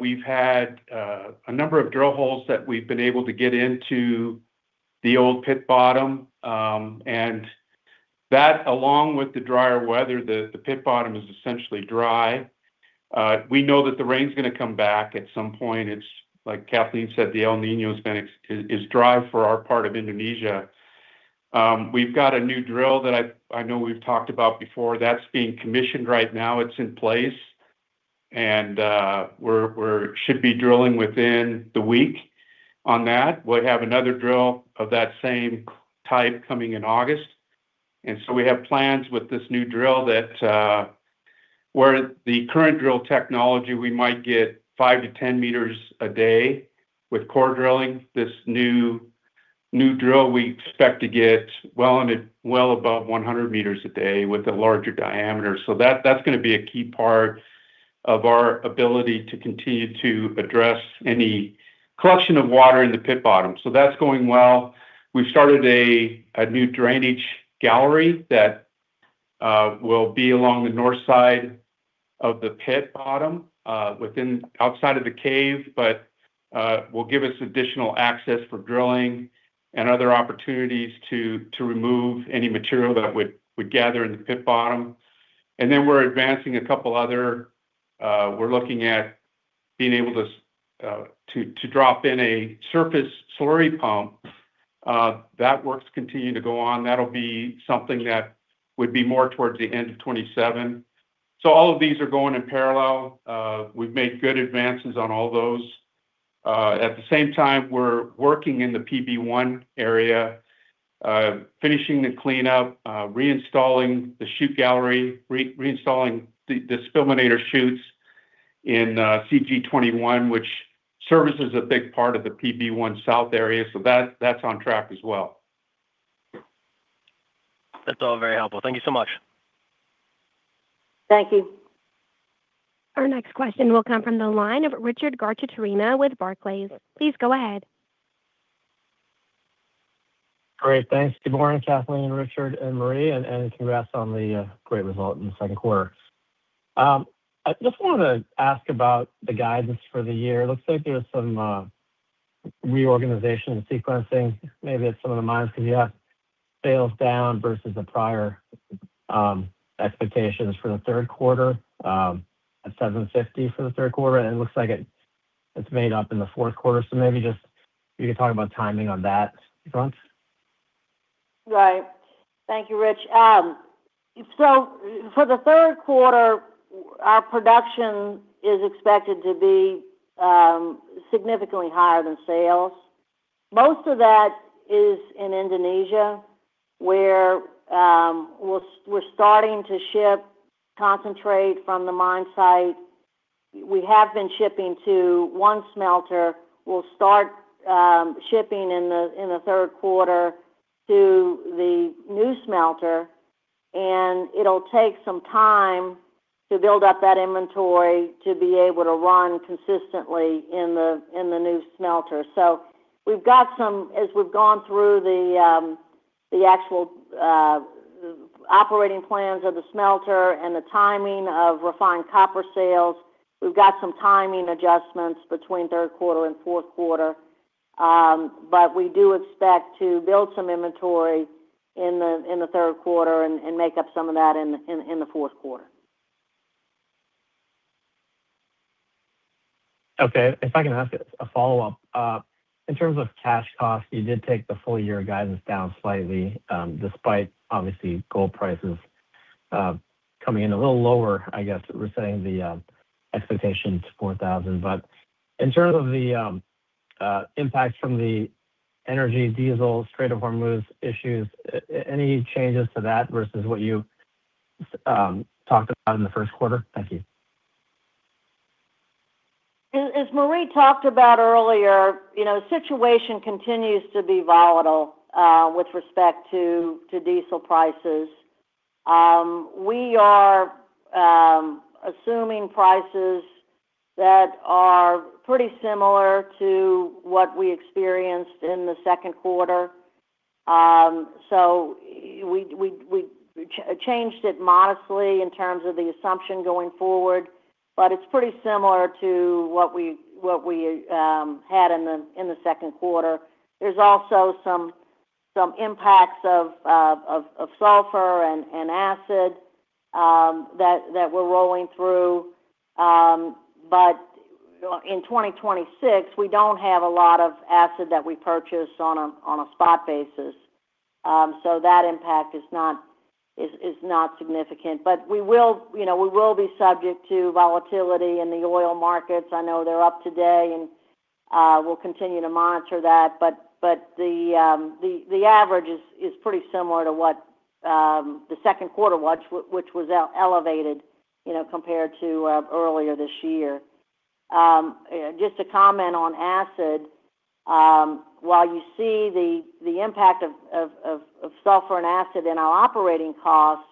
We've had a number of drill holes that we've been able to get into the old pit bottom. That along with the drier weather, the pit bottom is essentially dry. We know that the rain's going to come back at some point. It's like Kathleen said, the El Niño is dry for our part of Indonesia. We've got a new drill that I know we've talked about before. That's being commissioned right now. It's in place, and we should be drilling within the week on that. We'll have another drill of that same type coming in August. So we have plans with this new drill that where the current drill technology, we might get 5-10 meters a day with core drilling. This new drill, we expect to get well above 100 meters a day with a larger diameter. That's going to be a key part of our ability to continue to address any collection of water in the pit bottom. That's going well. We've started a new drainage gallery that will be along the north side of the pit bottom, outside of the cave, but will give us additional access for drilling and other opportunities to remove any material that would gather in the pit bottom. Then we're advancing a couple other. We're looking at being able to drop in a surface slurry pump, that work's continuing to go on. That'll be something that would be more towards the end of 2027. All of these are going in parallel. We've made good advances on all those. At the same time, we're working in the PB1 area, finishing the cleanup, reinstalling the chute gallery, reinstalling the desliminator chutes in CG-21, which services a big part of the PB1 south area. That's on track as well. That's all very helpful. Thank you so much. Thank you. Our next question will come from the line of Richard Gartshore with Barclays. Please go ahead. Great, thanks. Good morning, Kathleen, Richard, and Maree, and congrats on the great result in the Q2. It looks like there's some reorganization and sequencing, maybe at some of the mines, because you have sales down versus the prior expectations for the Q3, at $750 for the Q3, and it looks like it's made up in the Q4. Maybe just you could talk about timing on that front. Right. Thank you, Rich. For the Q3, our production is expected to be significantly higher than sales. Most of that is in Indonesia, where we're starting to ship concentrate from the mine site. We have been shipping to one smelter. We'll start shipping in the Q3 to the new smelter, and it'll take some time to build up that inventory to be able to run consistently in the new smelter. As we've gone through the actual operating plans of the smelter and the timing of refined copper sales, we've got some timing adjustments between Q3 and Q4. We do expect to build some inventory in the Q3 and make up some of that in the Q4. Okay. If I can ask a follow-up. In terms of cash cost, you did take the full year guidance down slightly, despite obviously gold prices coming in a little lower, I guess, resetting the expectation to $4,000. In terms of the impact from the energy, diesel, Strait of Hormuz issues, any changes to that versus what you talked about in the Q1? Thank you. As Maree talked about earlier, the situation continues to be volatile with respect to diesel prices. We are assuming prices that are pretty similar to what we experienced in the Q2. We changed it modestly in terms of the assumption going forward, but it's pretty similar to what we had in the Q2. There's also some impacts of sulfur and acid that we're rolling through. In 2026, we don't have a lot of acid that we purchase on a spot basis. That impact is not significant. We will be subject to volatility in the oil markets. I know they're up today, and we'll continue to monitor that. The average is pretty similar to what the Q2, which was elevated compared to earlier this year. Just to comment on acid, while you see the impact of sulfur and acid in our operating costs,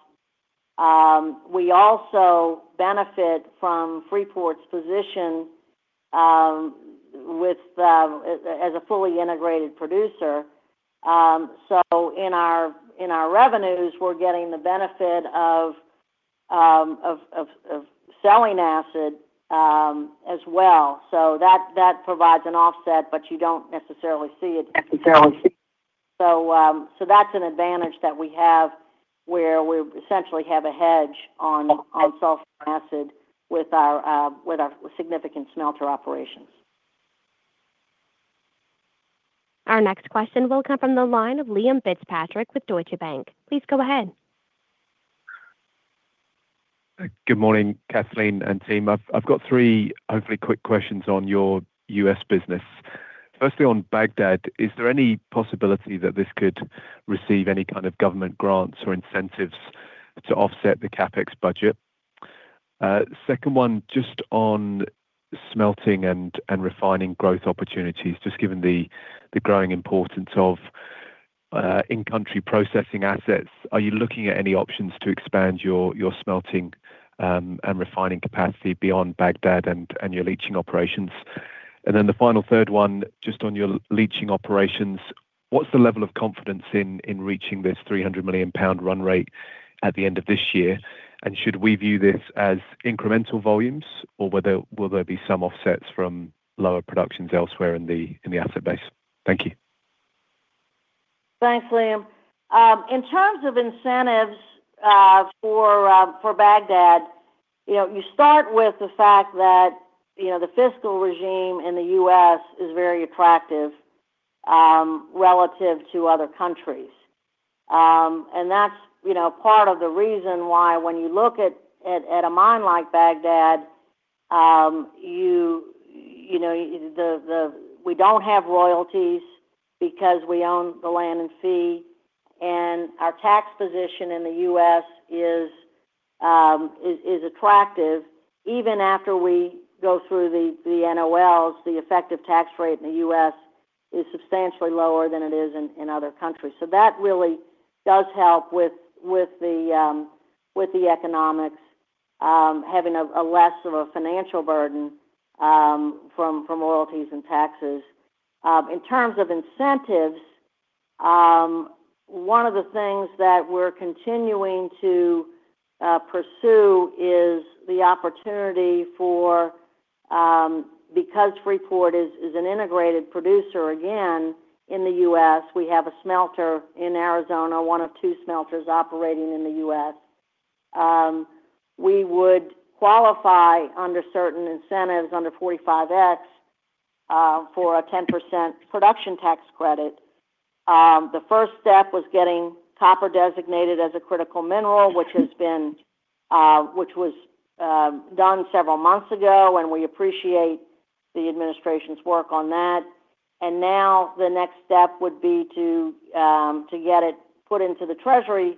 we also benefit from Freeport-McMoRan's position as a fully integrated producer. In our revenues, we're getting the benefit of selling acid as well. That provides an offset, but you don't necessarily see it. That's an advantage that we have where we essentially have a hedge on sulfur and acid with our significant smelter operations. Our next question will come from the line of Liam Fitzpatrick with Deutsche Bank. Please go ahead. Good morning, Kathleen and team. I've got three hopefully quick questions on your U.S. business. Firstly, on Bagdad, is there any possibility that this could receive any kind of government grants or incentives to offset the CapEx budget? Second one, just on smelting and refining growth opportunities, just given the growing importance of in-country processing assets, are you looking at any options to expand your smelting and refining capacity beyond Bagdad and your leaching operations? Then the final third one, just on your leaching operations, what's the level of confidence in reaching this 300-million-pound run rate at the end of this year? Should we view this as incremental volumes, or will there be some offsets from lower productions elsewhere in the asset base? Thank you. Thanks, Liam. In terms of incentives for Bagdad, you start with the fact that the fiscal regime in the U.S. is very attractive relative to other countries. That's part of the reason why when you look at a mine like Bagdad, we don't have royalties because we own the land and sea, and our tax position in the U.S. is attractive even after we go through the NOLs. The effective tax rate in the U.S. is substantially lower than it is in other countries. That really does help with the economics, having a less of a financial burden from royalties and taxes. In terms of incentives, one of the things that we're continuing to pursue is the opportunity for, because Freeport-McMoRan is an integrated producer, again, in the U.S., we have a smelter in Arizona, one of two smelters operating in the U.S. We would qualify under certain incentives under Section 45X for a 10% production tax credit. The first step was getting copper designated as a critical mineral, which was done several months ago. We appreciate the administration's work on that. Now the next step would be to get it put into the treasury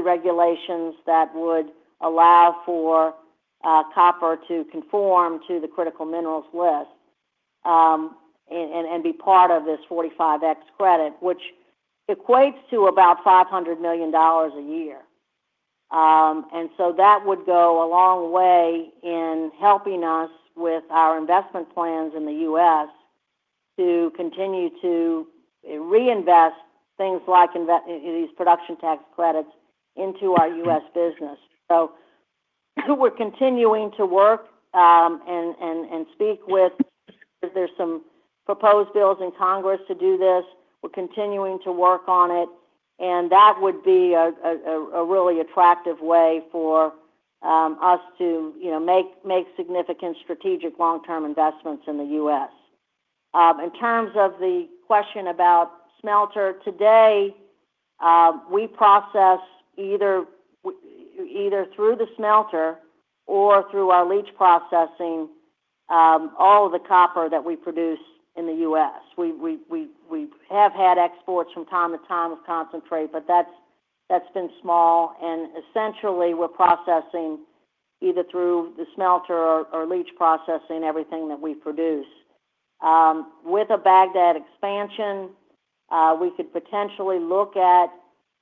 regulations that would allow for copper to conform to the critical minerals list, and be part of this Section 45X credit, which equates to about $500 million a year. That would go a long way in helping us with our investment plans in the U.S. to continue to reinvest things like these production tax credits into our U.S. business. We're continuing to work and speak with, because there's some proposed bills in Congress to do this. We're continuing to work on it, that would be a really attractive way for us to make significant strategic long-term investments in the U.S. In terms of the question about smelter, today, we process either through the smelter or through our leach processing, all of the copper that we produce in the U.S. We have had exports from time to time of concentrate, but that's been small and essentially we're processing either through the smelter or leach processing everything that we produce. With a Bagdad expansion, we could potentially look at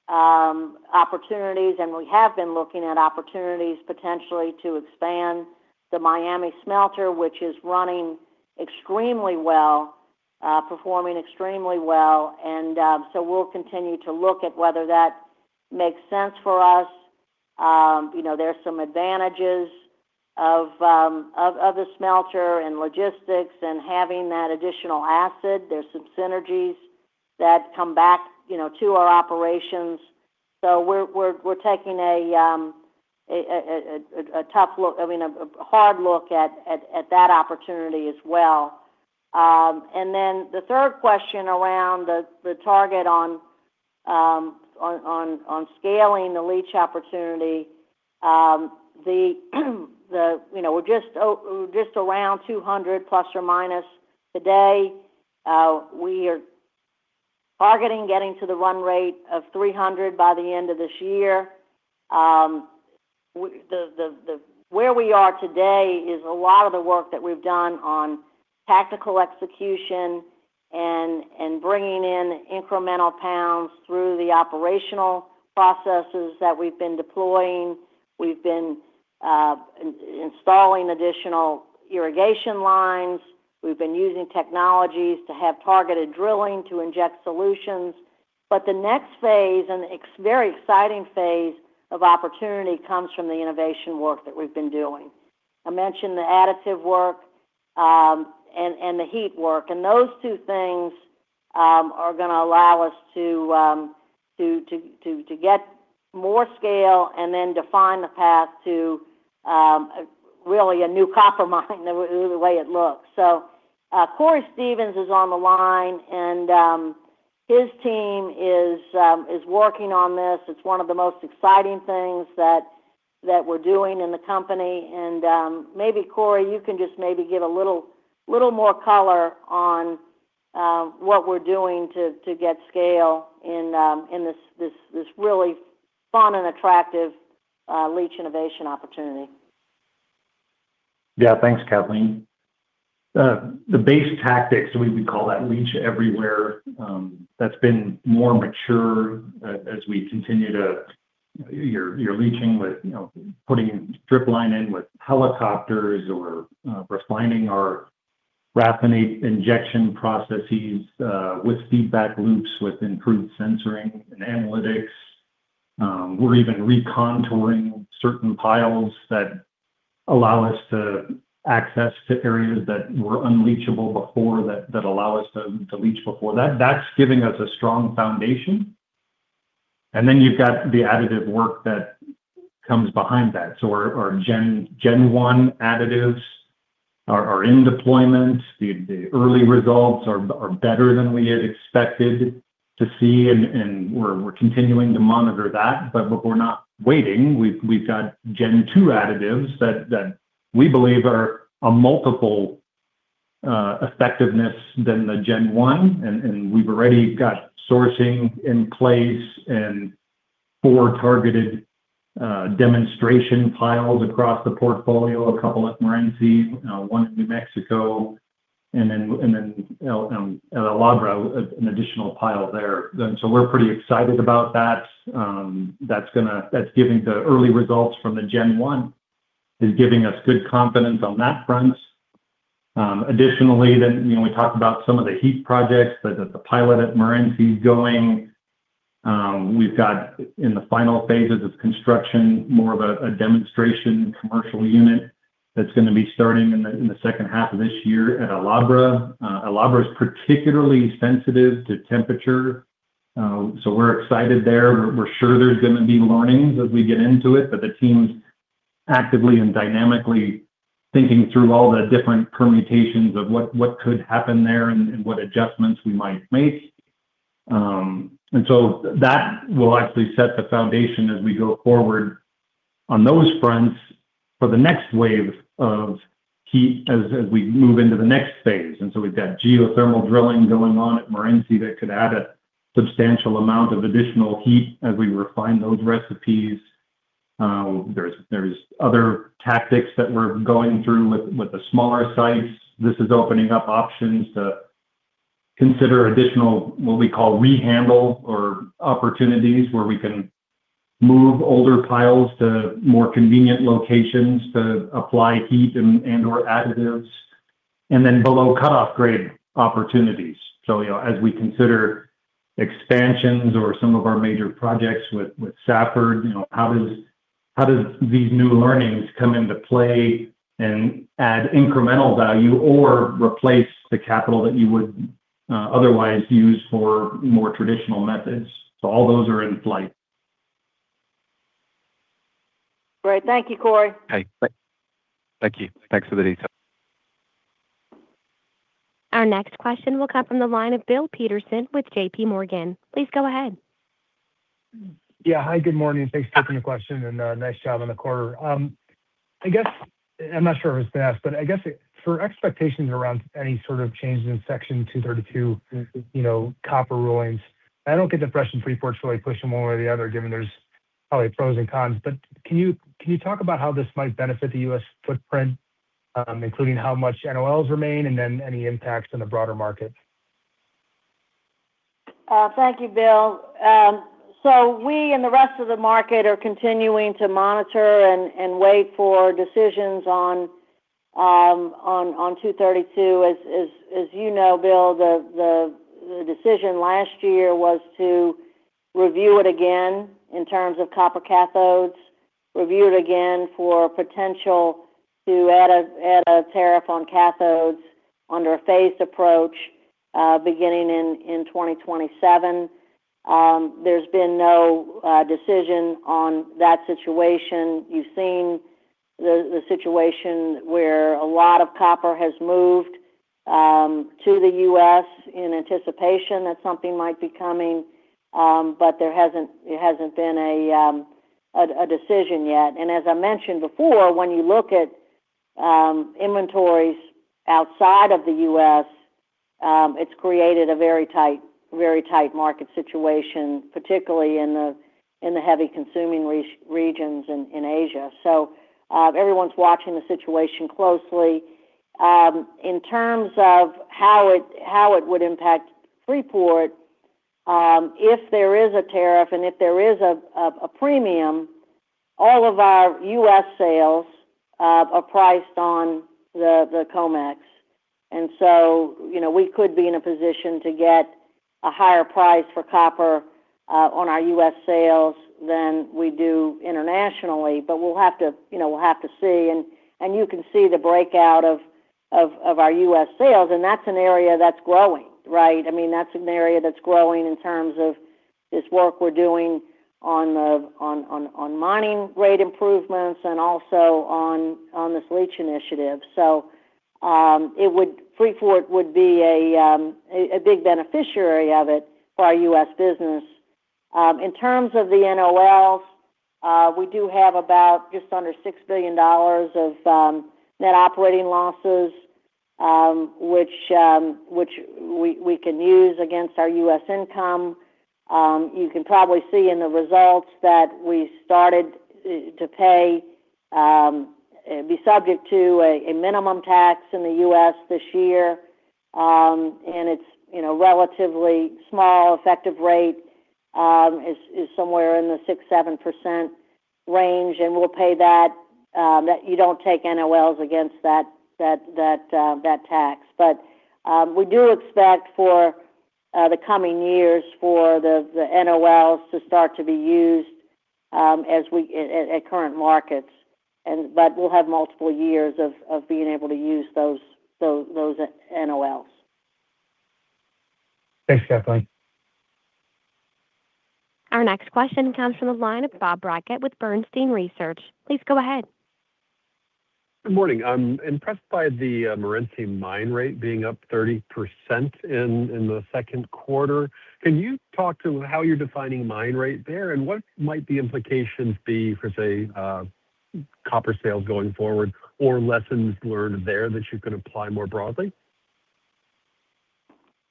opportunities, and we have been looking at opportunities potentially to expand the Miami smelter, which is running extremely well, performing extremely well. We'll continue to look at whether that makes sense for us. There's some advantages of the smelter and logistics and having that additional acid. There's some synergies that come back to our operations. We're taking a tough look, I mean, a hard look at that opportunity as well. The third question around the target on scaling the leach opportunity. We're just around 200± today. We are targeting getting to the run rate of 300 by the end of this year. Where we are today is a lot of the work that we've done on tactical execution and bringing in incremental pounds through the operational processes that we've been deploying. We've been installing additional irrigation lines. We've been using technologies to have targeted drilling to inject solutions. The next phase, and very exciting phase of opportunity comes from the innovation work that we've been doing. I mentioned the additive work, and the heap work. Those two things are going to allow us to get more scale and then define the path to really a new copper mine the way it looks. Cory Stevens is on the line, and his team is working on this. It's one of the most exciting things that we're doing in the company. Maybe Cory, you can just maybe give a little more color on what we're doing to get scale in this really fun and attractive leach innovation opportunity. Yeah. Thanks, Kathleen. The base tactics, we would call that leach everywhere, that's been more mature as we continue to leaching with putting drip line in with helicopters or refining our raffinate injection processes, with feedback loops, with improved sensoring and analytics. We're even recontouring certain piles that allow us to access to areas that were unreachable before, that allow us to leach before. That's giving us a strong foundation. You've got the additive work that comes behind that. Our gen one additives are in deployment. The early results are better than we had expected to see, and we're continuing to monitor that. We're not waiting. We've got gen two additives that we believe are a multiple effectiveness than the gen one, and we've already got sourcing in place and four targeted demonstration piles across the portfolio, a couple at Morenci, one in New Mexico, and then at El Abra, an additional pile there. We're pretty excited about that. The early results from the gen one is giving us good confidence on that front. Additionally, we talked about some of the heat projects, like the pilot at Morenci is going. We've got in the final phases of construction, more of a demonstration commercial unit that's going to be starting in the second half of this year at El Abra. El Abra is particularly sensitive to temperature, so we're excited there. We're sure there's going to be learnings as we get into it. The team's actively and dynamically thinking through all the different permutations of what could happen there and what adjustments we might make. That will actually set the foundation as we go forward on those fronts for the next wave of heat as we move into the next phase. We've got geothermal drilling going on at Morenci that could add a substantial amount of additional heat as we refine those recipes. There's other tactics that we're going through with the smaller sites. This is opening up options to consider additional, what we call rehandle or opportunities where we can move older piles to more convenient locations to apply heat and/or additives, and then below cut-off grade opportunities. As we consider expansions or some of our major projects with Safford Lone Star District, how does these new learnings come into play and add incremental value or replace the capital that you would otherwise use for more traditional methods? All those are in flight. Great. Thank you, Cory. Okay. Thank you. Thanks for the detail. Our next question will come from the line of Bill Peterson with JPMorgan. Please go ahead. Yeah. Hi, good morning. Thanks for taking the question, and nice job on the quarter. I'm not sure if it's been asked, but I guess for expectations around any sort of changes in Section 232, copper rulings, I don't get the impression Freeport-McMoRan's really pushing one way or the other, given there's probably pros and cons. Can you talk about how this might benefit the U.S. footprint, including how much NOLs remain and then any impacts on the broader market? Thank you, Bill. We and the rest of the market are continuing to monitor and wait for decisions on Section 232. As you know, Bill, the decision last year was to review it again in terms of copper cathodes, review it again for potential to add a tariff on cathodes under a phased approach, beginning in 2027. There's been no decision on that situation. You've seen the situation where a lot of copper has moved to the U.S. in anticipation that something might be coming, but there hasn't been a decision yet. As I mentioned before, when you look at inventories outside of the U.S., it's created a very tight market situation, particularly in the heavy-consuming regions in Asia. Everyone's watching the situation closely. In terms of how it would impact Freeport-McMoRan, if there is a tariff and if there is a premium, all of our U.S. sales are priced on the COMEX. We could be in a position to get a higher price for copper on our U.S. sales than we do internationally, but we'll have to see. You can see the breakout of our U.S. sales, and that's an area that's growing, right? That's an area that's growing in terms of this work we're doing on mining rate improvements and also on this leach initiative. Freeport-McMoRan would be a big beneficiary of it for our U.S. business. In terms of the NOLs, we do have about just under $6 billion of net operating losses, which we can use against our U.S. income. You can probably see in the results that we started to be subject to a minimum tax in the U.S. this year, it's relatively small. Effective rate is somewhere in the 6%, 7% range, and we'll pay that, you don't take NOLs against that tax. We do expect for the coming years for the NOLs to start to be used at current markets, but we'll have multiple years of being able to use those NOLs. Thanks, Kathleen. Our next question comes from the line of Bob Brackett with Bernstein Research. Please go ahead. Good morning. I'm impressed by the Morenci mine rate being up 30% in the Q2. Can you talk to how you're defining mine rate there, and what might the implications be for, say, copper sales going forward or lessons learned there that you can apply more broadly?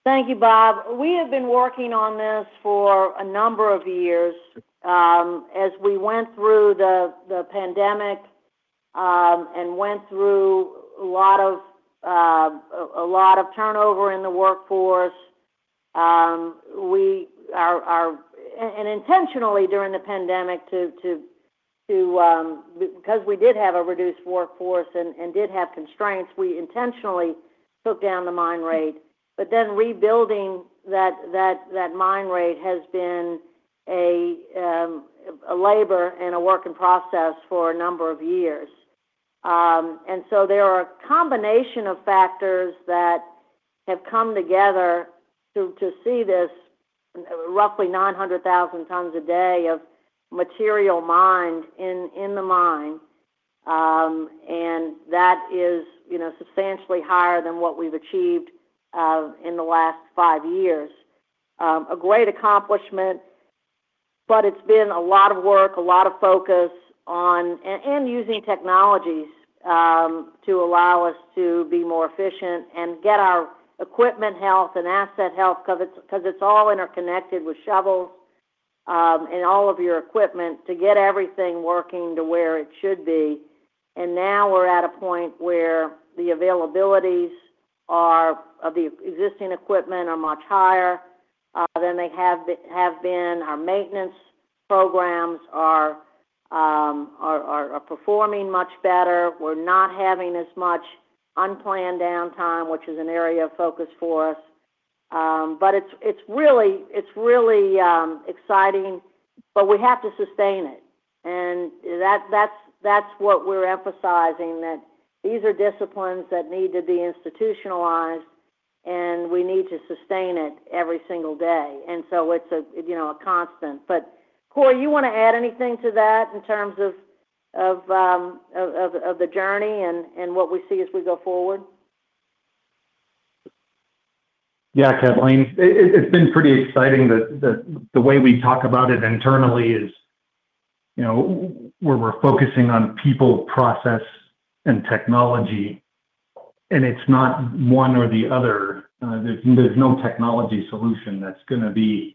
Thank you, Bob. We have been working on this for a number of years. We went through the pandemic, and went through a lot of turnover in the workforce. Intentionally during the pandemic, because we did have a reduced workforce and did have constraints, we intentionally took down the mine rate. Rebuilding that mine rate has been a labor and a work in process for a number of years. There are a combination of factors that have come together to see this roughly 900,000 tons a day of material mined in the mine, and that is substantially higher than what we've achieved in the last five years. A great accomplishment, but it's been a lot of work, a lot of focus, and using technologies, to allow us to be more efficient and get our equipment health and asset health, because it's all interconnected with shovels, and all of your equipment to get everything working to where it should be. Now we're at a point where the availabilities of the existing equipment are much higher than they have been. Our maintenance programs are performing much better. We're not having as much unplanned downtime, which is an area of focus for us. It's really exciting, but we have to sustain it. That's what we're emphasizing, that these are disciplines that need to be institutionalized, and we need to sustain it every single day. It's a constant. Cory, you want to add anything to that in terms of the journey and what we see as we go forward? Yeah, Kathleen, it's been pretty exciting. The way we talk about it internally is we're focusing on people, process, and technology, and it's not one or the other. There's no technology solution that's going to be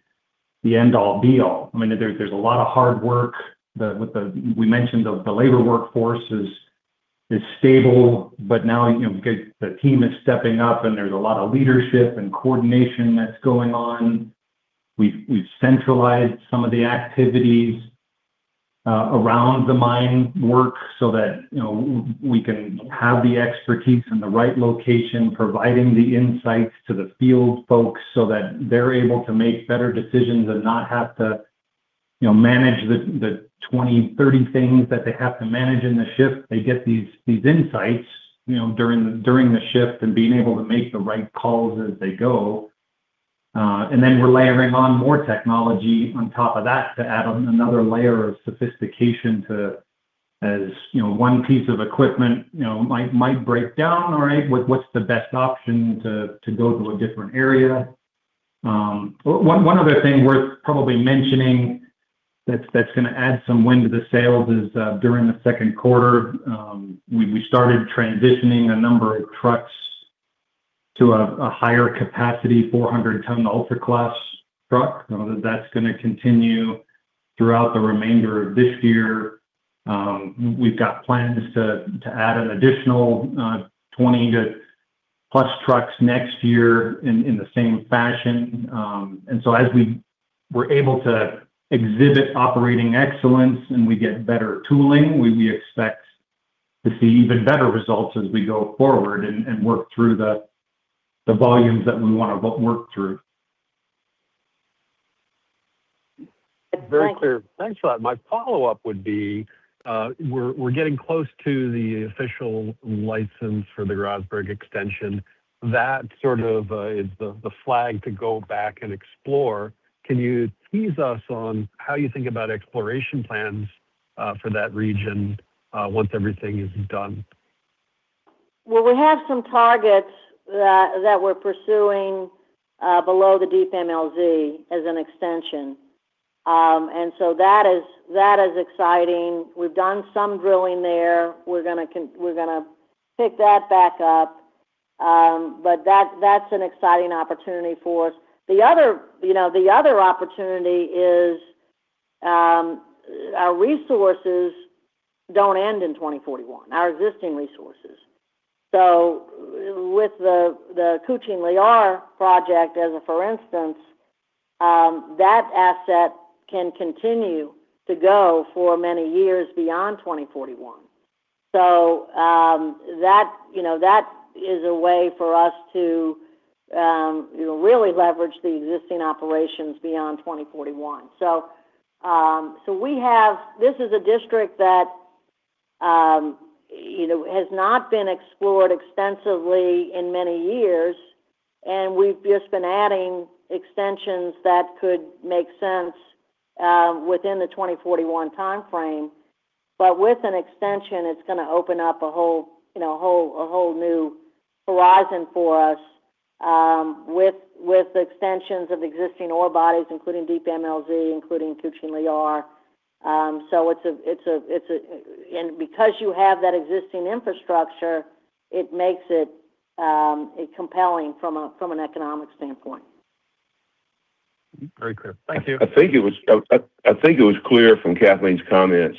the end-all, be-all. There's a lot of hard work. We mentioned the labor workforce is stable, but now the team is stepping up, and there's a lot of leadership and coordination that's going on. We've centralized some of the activities around the mine work so that we can have the expertise in the right location, providing the insights to the field folks so that they're able to make better decisions and not have to manage the 20, 30 things that they have to manage in the shift. They get these insights during the shift and being able to make the right calls as they go. We're layering on more technology on top of that to add another layer of sophistication. As one piece of equipment might break down, all right, what's the best option to go to a different area? One other thing worth probably mentioning that's going to add some wind to the sails is, during the Q2, we started transitioning a number of trucks to a higher capacity, 400 ton ultra-class truck. That's going to continue throughout the remainder of this year. We've got plans to add an additional, 20 plus trucks next year in the same fashion. As we were able to exhibit operating excellence and we get better tooling, we expect to see even better results as we go forward and work through the volumes that we want to work through. Thanks. Very clear. Thanks for that. My follow-up would be, we're getting close to the official license for the Grasberg extension. That sort of is the flag to go back and explore. Can you tease us on how you think about exploration plans for that region once everything is done? We have some targets that we're pursuing below the Deep MLZ as an extension. That is exciting. We've done some drilling there. We're going to pick that back up. That's an exciting opportunity for us. The other opportunity is our resources don't end in 2041, our existing resources. With the Kucing Liar project as a for instance, that asset can continue to go for many years beyond 2041. That is a way for us to really leverage the existing operations beyond 2041. This is a district that has not been explored extensively in many years, and we've just been adding extensions that could make sense within the 2041 timeframe. With an extension, it's going to open up a whole new horizon for us with extensions of existing ore bodies, including Deep MLZ, including Kucing Liar. Because you have that existing infrastructure, it makes it compelling from an economic standpoint. Very clear. Thank you. I think it was clear from Kathleen's comments,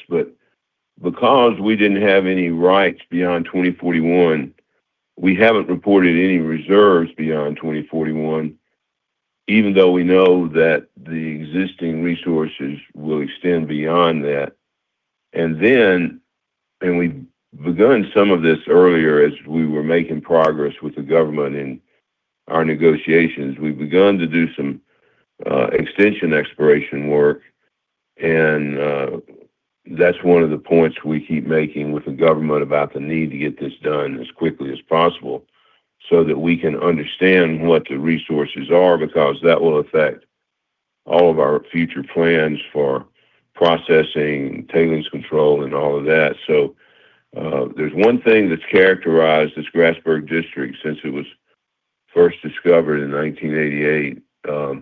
because we didn't have any rights beyond 2041, we haven't reported any reserves beyond 2041, even though we know that the existing resources will extend beyond that. We've begun some of this earlier as we were making progress with the government in our negotiations. We've begun to do some extension exploration work, and that's one of the points we keep making with the government about the need to get this done as quickly as possible so that we can understand what the resources are, because that will affect all of our future plans for processing, tailings control, and all of that. There's one thing that's characterized this Grasberg District since it was first discovered in 1988.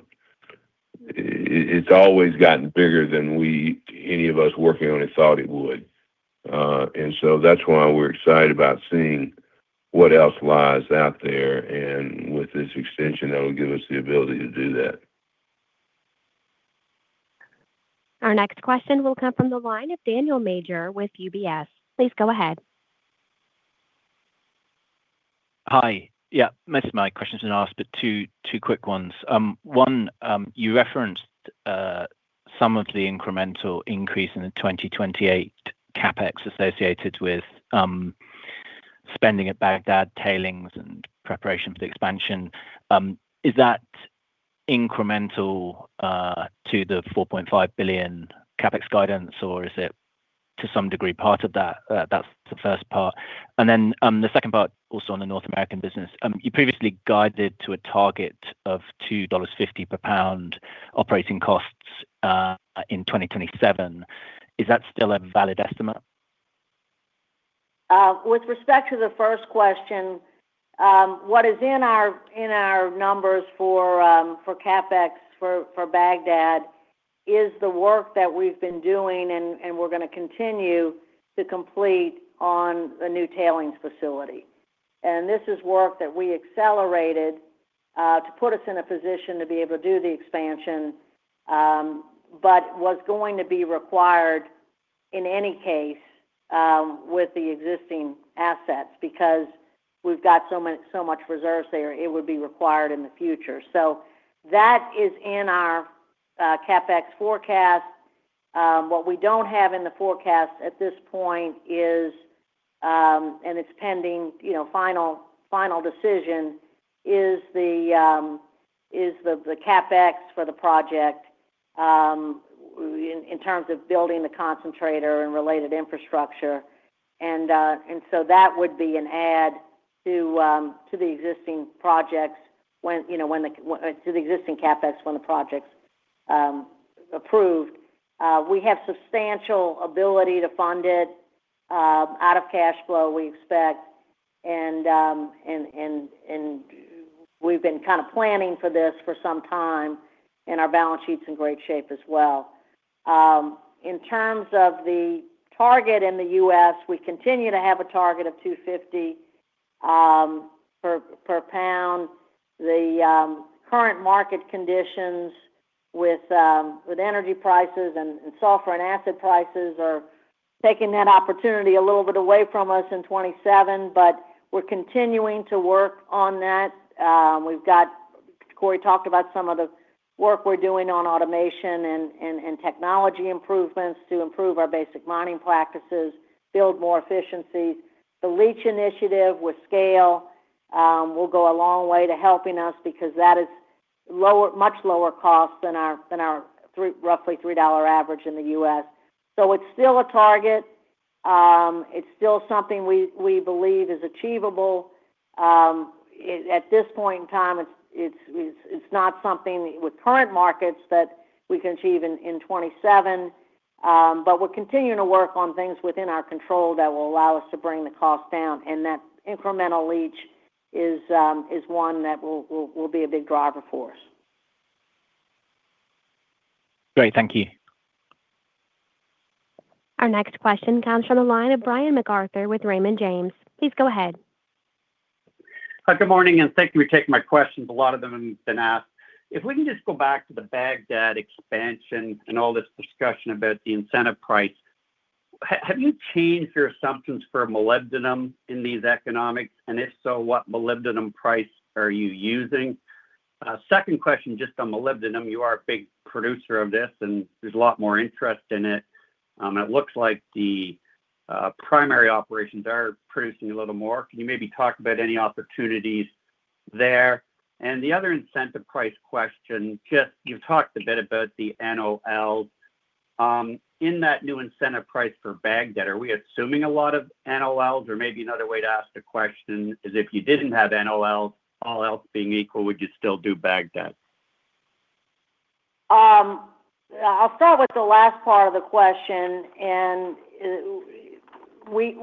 It's always gotten bigger than any of us working on it thought it would. That's why we're excited about seeing what else lies out there, and with this extension, that will give us the ability to do that. Our next question will come from the line of Daniel Major with UBS. Please go ahead. Hi. Most of my questions have been asked, but two quick ones. One, you referenced some of the incremental increase in the 2028 CapEx associated with spending at Bagdad tailings and preparation for the expansion. Is that incremental to the $4.5 billion CapEx guidance or is it to some degree part of that? That's the first part. The second part, also on the North American business. You previously guided to a target of $2.50 per pound operating costs in 2027. Is that still a valid estimate? With respect to the first question, what is in our numbers for CapEx for Bagdad is the work that we've been doing and we're going to continue to complete on the new tailings facility. This is work that we accelerated to put us in a position to be able to do the expansion, but was going to be required in any case with the existing assets because we've got so much reserves there, it would be required in the future. That is in our CapEx forecast. What we don't have in the forecast at this point is, and it's pending final decision, is the CapEx for the project in terms of building the concentrator and related infrastructure. That would be an add to the existing CapEx when the project's approved. We have substantial ability to fund it out of cash flow we expect, and we've been kind of planning for this for some time and our balance sheet's in great shape as well. In terms of the target in the U.S., we continue to have a target of $2.50 per pound. The current market conditions with energy prices and sulfur and acid prices are taking that opportunity a little bit away from us in 2027, but we're continuing to work on that. Cory talked about some of the work we're doing on automation and technology improvements to improve our basic mining practices, build more efficiency. The leach initiative with scale will go a long way to helping us because that is much lower cost than our roughly $3 average in the U.S. It's still a target. It's still something we believe is achievable. At this point in time, it's not something with current markets that we can achieve in 2027. We're continuing to work on things within our control that will allow us to bring the cost down, and that incremental leach is one that will be a big driver for us. Great. Thank you. Our next question comes from the line of Brian MacArthur with Raymond James. Please go ahead. Good morning, and thank you for taking my questions. A lot of them have been asked. If we can just go back to the Bagdad expansion and all this discussion about the incentive price. Have you changed your assumptions for molybdenum in these economics? If so, what molybdenum price are you using? Second question, just on molybdenum. You are a big producer of this and there's a lot more interest in it. It looks like the primary operations are producing a little more. Can you maybe talk about any opportunities there? The other incentive price question, you've talked a bit about the NOL. In that new incentive price for Bagdad, are we assuming a lot of NOLs? Maybe another way to ask the question is, if you didn't have NOLs, all else being equal, would you still do Bagdad? I'll start with the last part of the question. We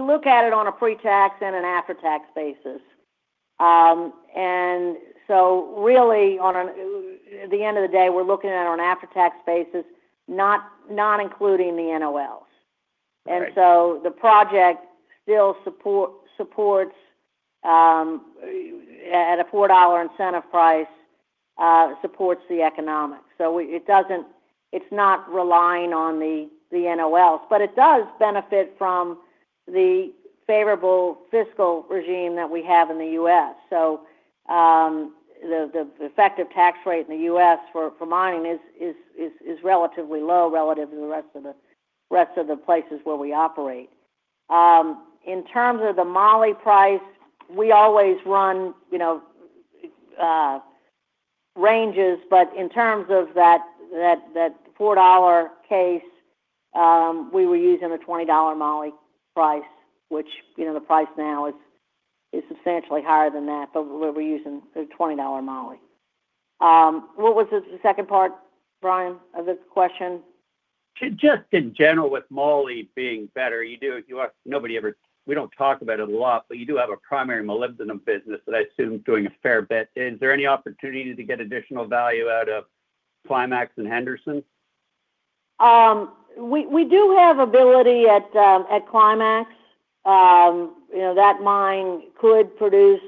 look at it on a pre-tax and an after-tax basis. Really, at the end of the day, we're looking at it on an after-tax basis, not including the NOLs. Right. The project still, at a $4 incentive price, supports the economics. It's not relying on the NOLs. It does benefit from the favorable fiscal regime that we have in the U.S. The effective tax rate in the U.S. for mining is relatively low relative to the rest of the places where we operate. In terms of the moly price, we always run ranges, but in terms of that $4 case, we were using a $20 moly price, which the price now is substantially higher than that, but we're using the $20 moly. What was the second part, Brian, of this question? Just in general with moly being better. We don't talk about it a lot, but you do have a primary molybdenum business that I assume is doing a fair bit. Is there any opportunity to get additional value out of Climax and Henderson? We do have ability at Climax. That mine could produce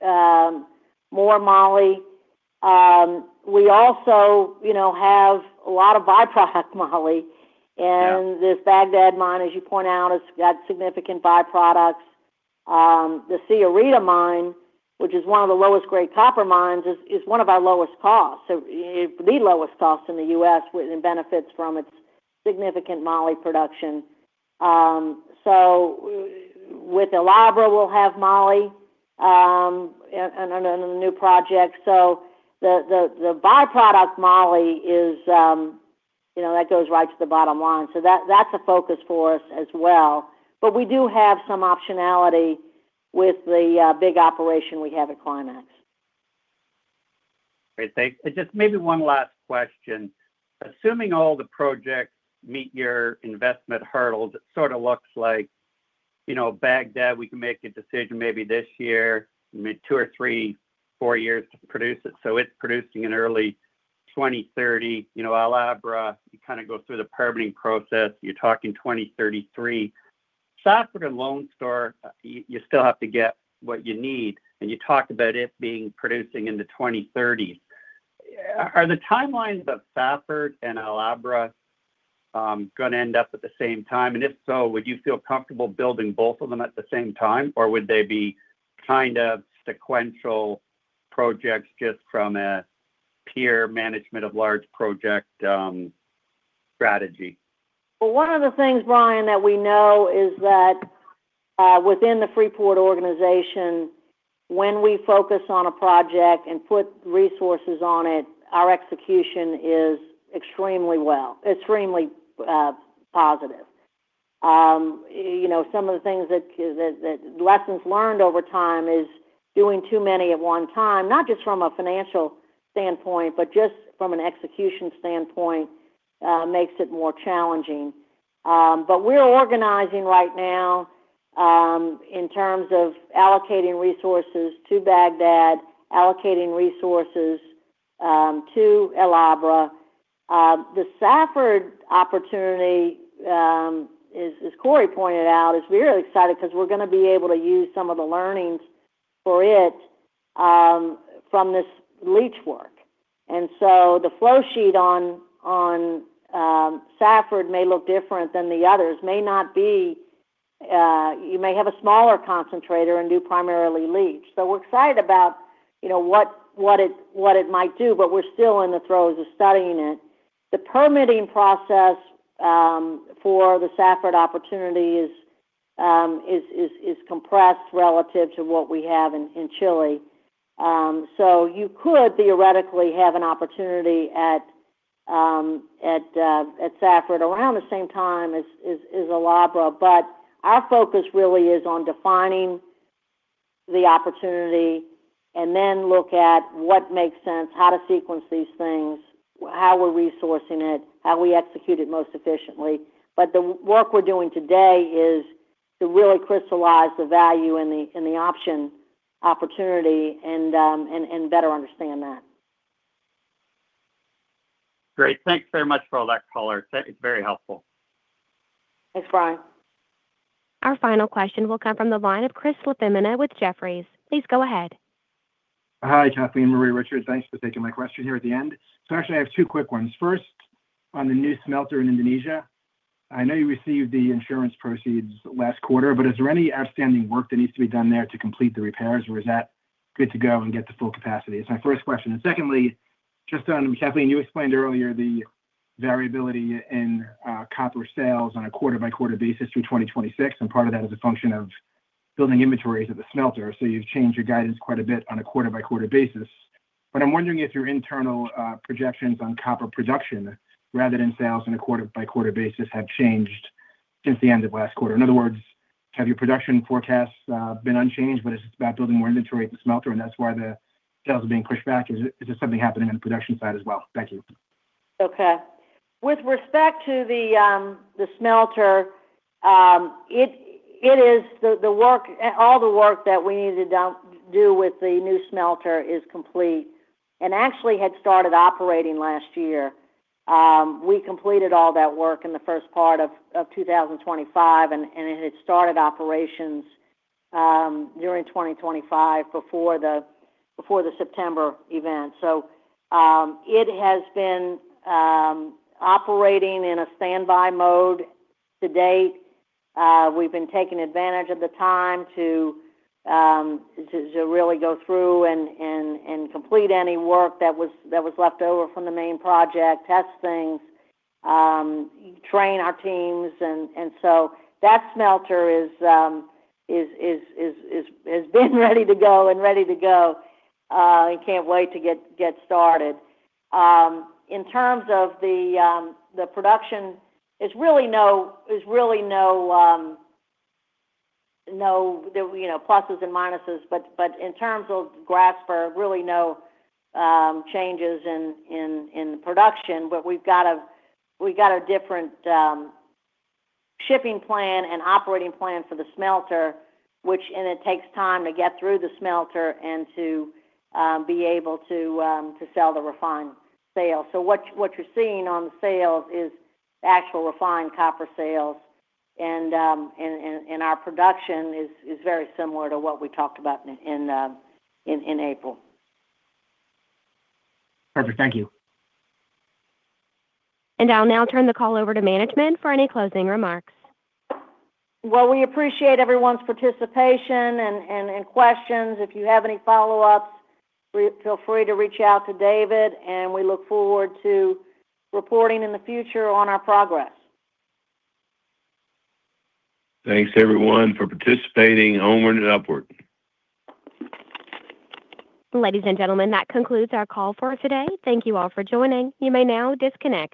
more moly. We also have a lot of byproduct moly. Yeah. This Bagdad mine, as you point out, has got significant byproducts. The Sierrita mine, which is one of the lowest grade copper mines, is one of our lowest costs. The lowest cost in the U.S., and benefits from its significant moly production. With El Abra we'll have moly in the new project. The byproduct moly, that goes right to the bottom line. That's a focus for us as well. We do have some optionality with the big operation we have at Climax. Great, thanks. Just maybe one last question. Assuming all the projects meet your investment hurdles, it sort of looks like Bagdad, we can make a decision maybe this year, maybe two or three, four years to produce it. It's producing in early 2030. El Abra, you kind of go through the permitting process, you're talking 2033. Safford and Lone Star, you still have to get what you need, and you talked about it producing in the 2030s. Are the timelines of Safford and El Abra going to end up at the same time? If so, would you feel comfortable building both of them at the same time? Would they be kind of sequential projects just from a peer management of large project strategy? Well, one of the things, Brian, that we know is that within the Freeport-McMoRan organization, when we focus on a project and put resources on it, our execution is extremely positive. Some of the lessons learned over time is doing too many at one time, not just from a financial standpoint, but just from an execution standpoint, makes it more challenging. We're organizing right now in terms of allocating resources to Bagdad, allocating resources to El Abra. The Safford opportunity, as Cory pointed out, is really exciting because we're going to be able to use some of the learnings for it from this leach work. The flow sheet on Safford may look different than the others. You may have a smaller concentrator and do primarily leach. We're excited about what it might do, we're still in the throes of studying it. The permitting process for the Safford opportunity is compressed relative to what we have in Chile. You could theoretically have an opportunity at Safford around the same time as El Abra. Our focus really is on defining the opportunity and then look at what makes sense, how to sequence these things, how we're resourcing it, how we execute it most efficiently. The work we're doing today is to really crystallize the value in the option opportunity and better understand that. Great. Thanks very much for all that color. It's very helpful. Thanks, Brian. Our final question will come from the line of Chris LaFemina with Jefferies. Please go ahead. Hi, Kathleen, Maree Robertson. Thanks for taking my question here at the end. Actually I have two quick ones. First, on the new smelter in Indonesia, I know you received the insurance proceeds last quarter, but is there any outstanding work that needs to be done there to complete the repairs, or is that good to go and get to full capacity? It's my first question. Secondly, just on, Kathleen, you explained earlier the variability in copper sales on a quarter by quarter basis through 2026, and part of that is a function of building inventories at the smelter. You've changed your guidance quite a bit on a quarter by quarter basis. I'm wondering if your internal projections on copper production rather than sales on a quarter by quarter basis have changed since the end of last quarter. In other words, have your production forecasts been unchanged, but it's just about building more inventory at the smelter and that's why the sales are being pushed back? Is there something happening on the production side as well? Thank you. Okay. With respect to the smelter, all the work that we needed to do with the new smelter is complete and actually had started operating last year. We completed all that work in the first part of 2025, and it had started operations during 2025, before the September event. It has been operating in a standby mode to date. We've been taking advantage of the time to really go through and complete any work that was left over from the main project, test things, train our teams. That smelter has been ready to go and can't wait to get started. In terms of the production, there's really no pluses and minuses, but in terms of Grasberg, really no changes in the production. We've got a different shipping plan and operating plan for the smelter, and it takes time to get through the smelter and to be able to sell the refined sale. What you're seeing on the sales is actual refined copper sales. Our production is very similar to what we talked about in April. Perfect. Thank you. I'll now turn the call over to management for any closing remarks. Well, we appreciate everyone's participation and questions. If you have any follow-ups, feel free to reach out to David, and we look forward to reporting in the future on our progress. Thanks everyone for participating. Onward and upward. Ladies and gentlemen, that concludes our call for today. Thank you all for joining. You may now disconnect.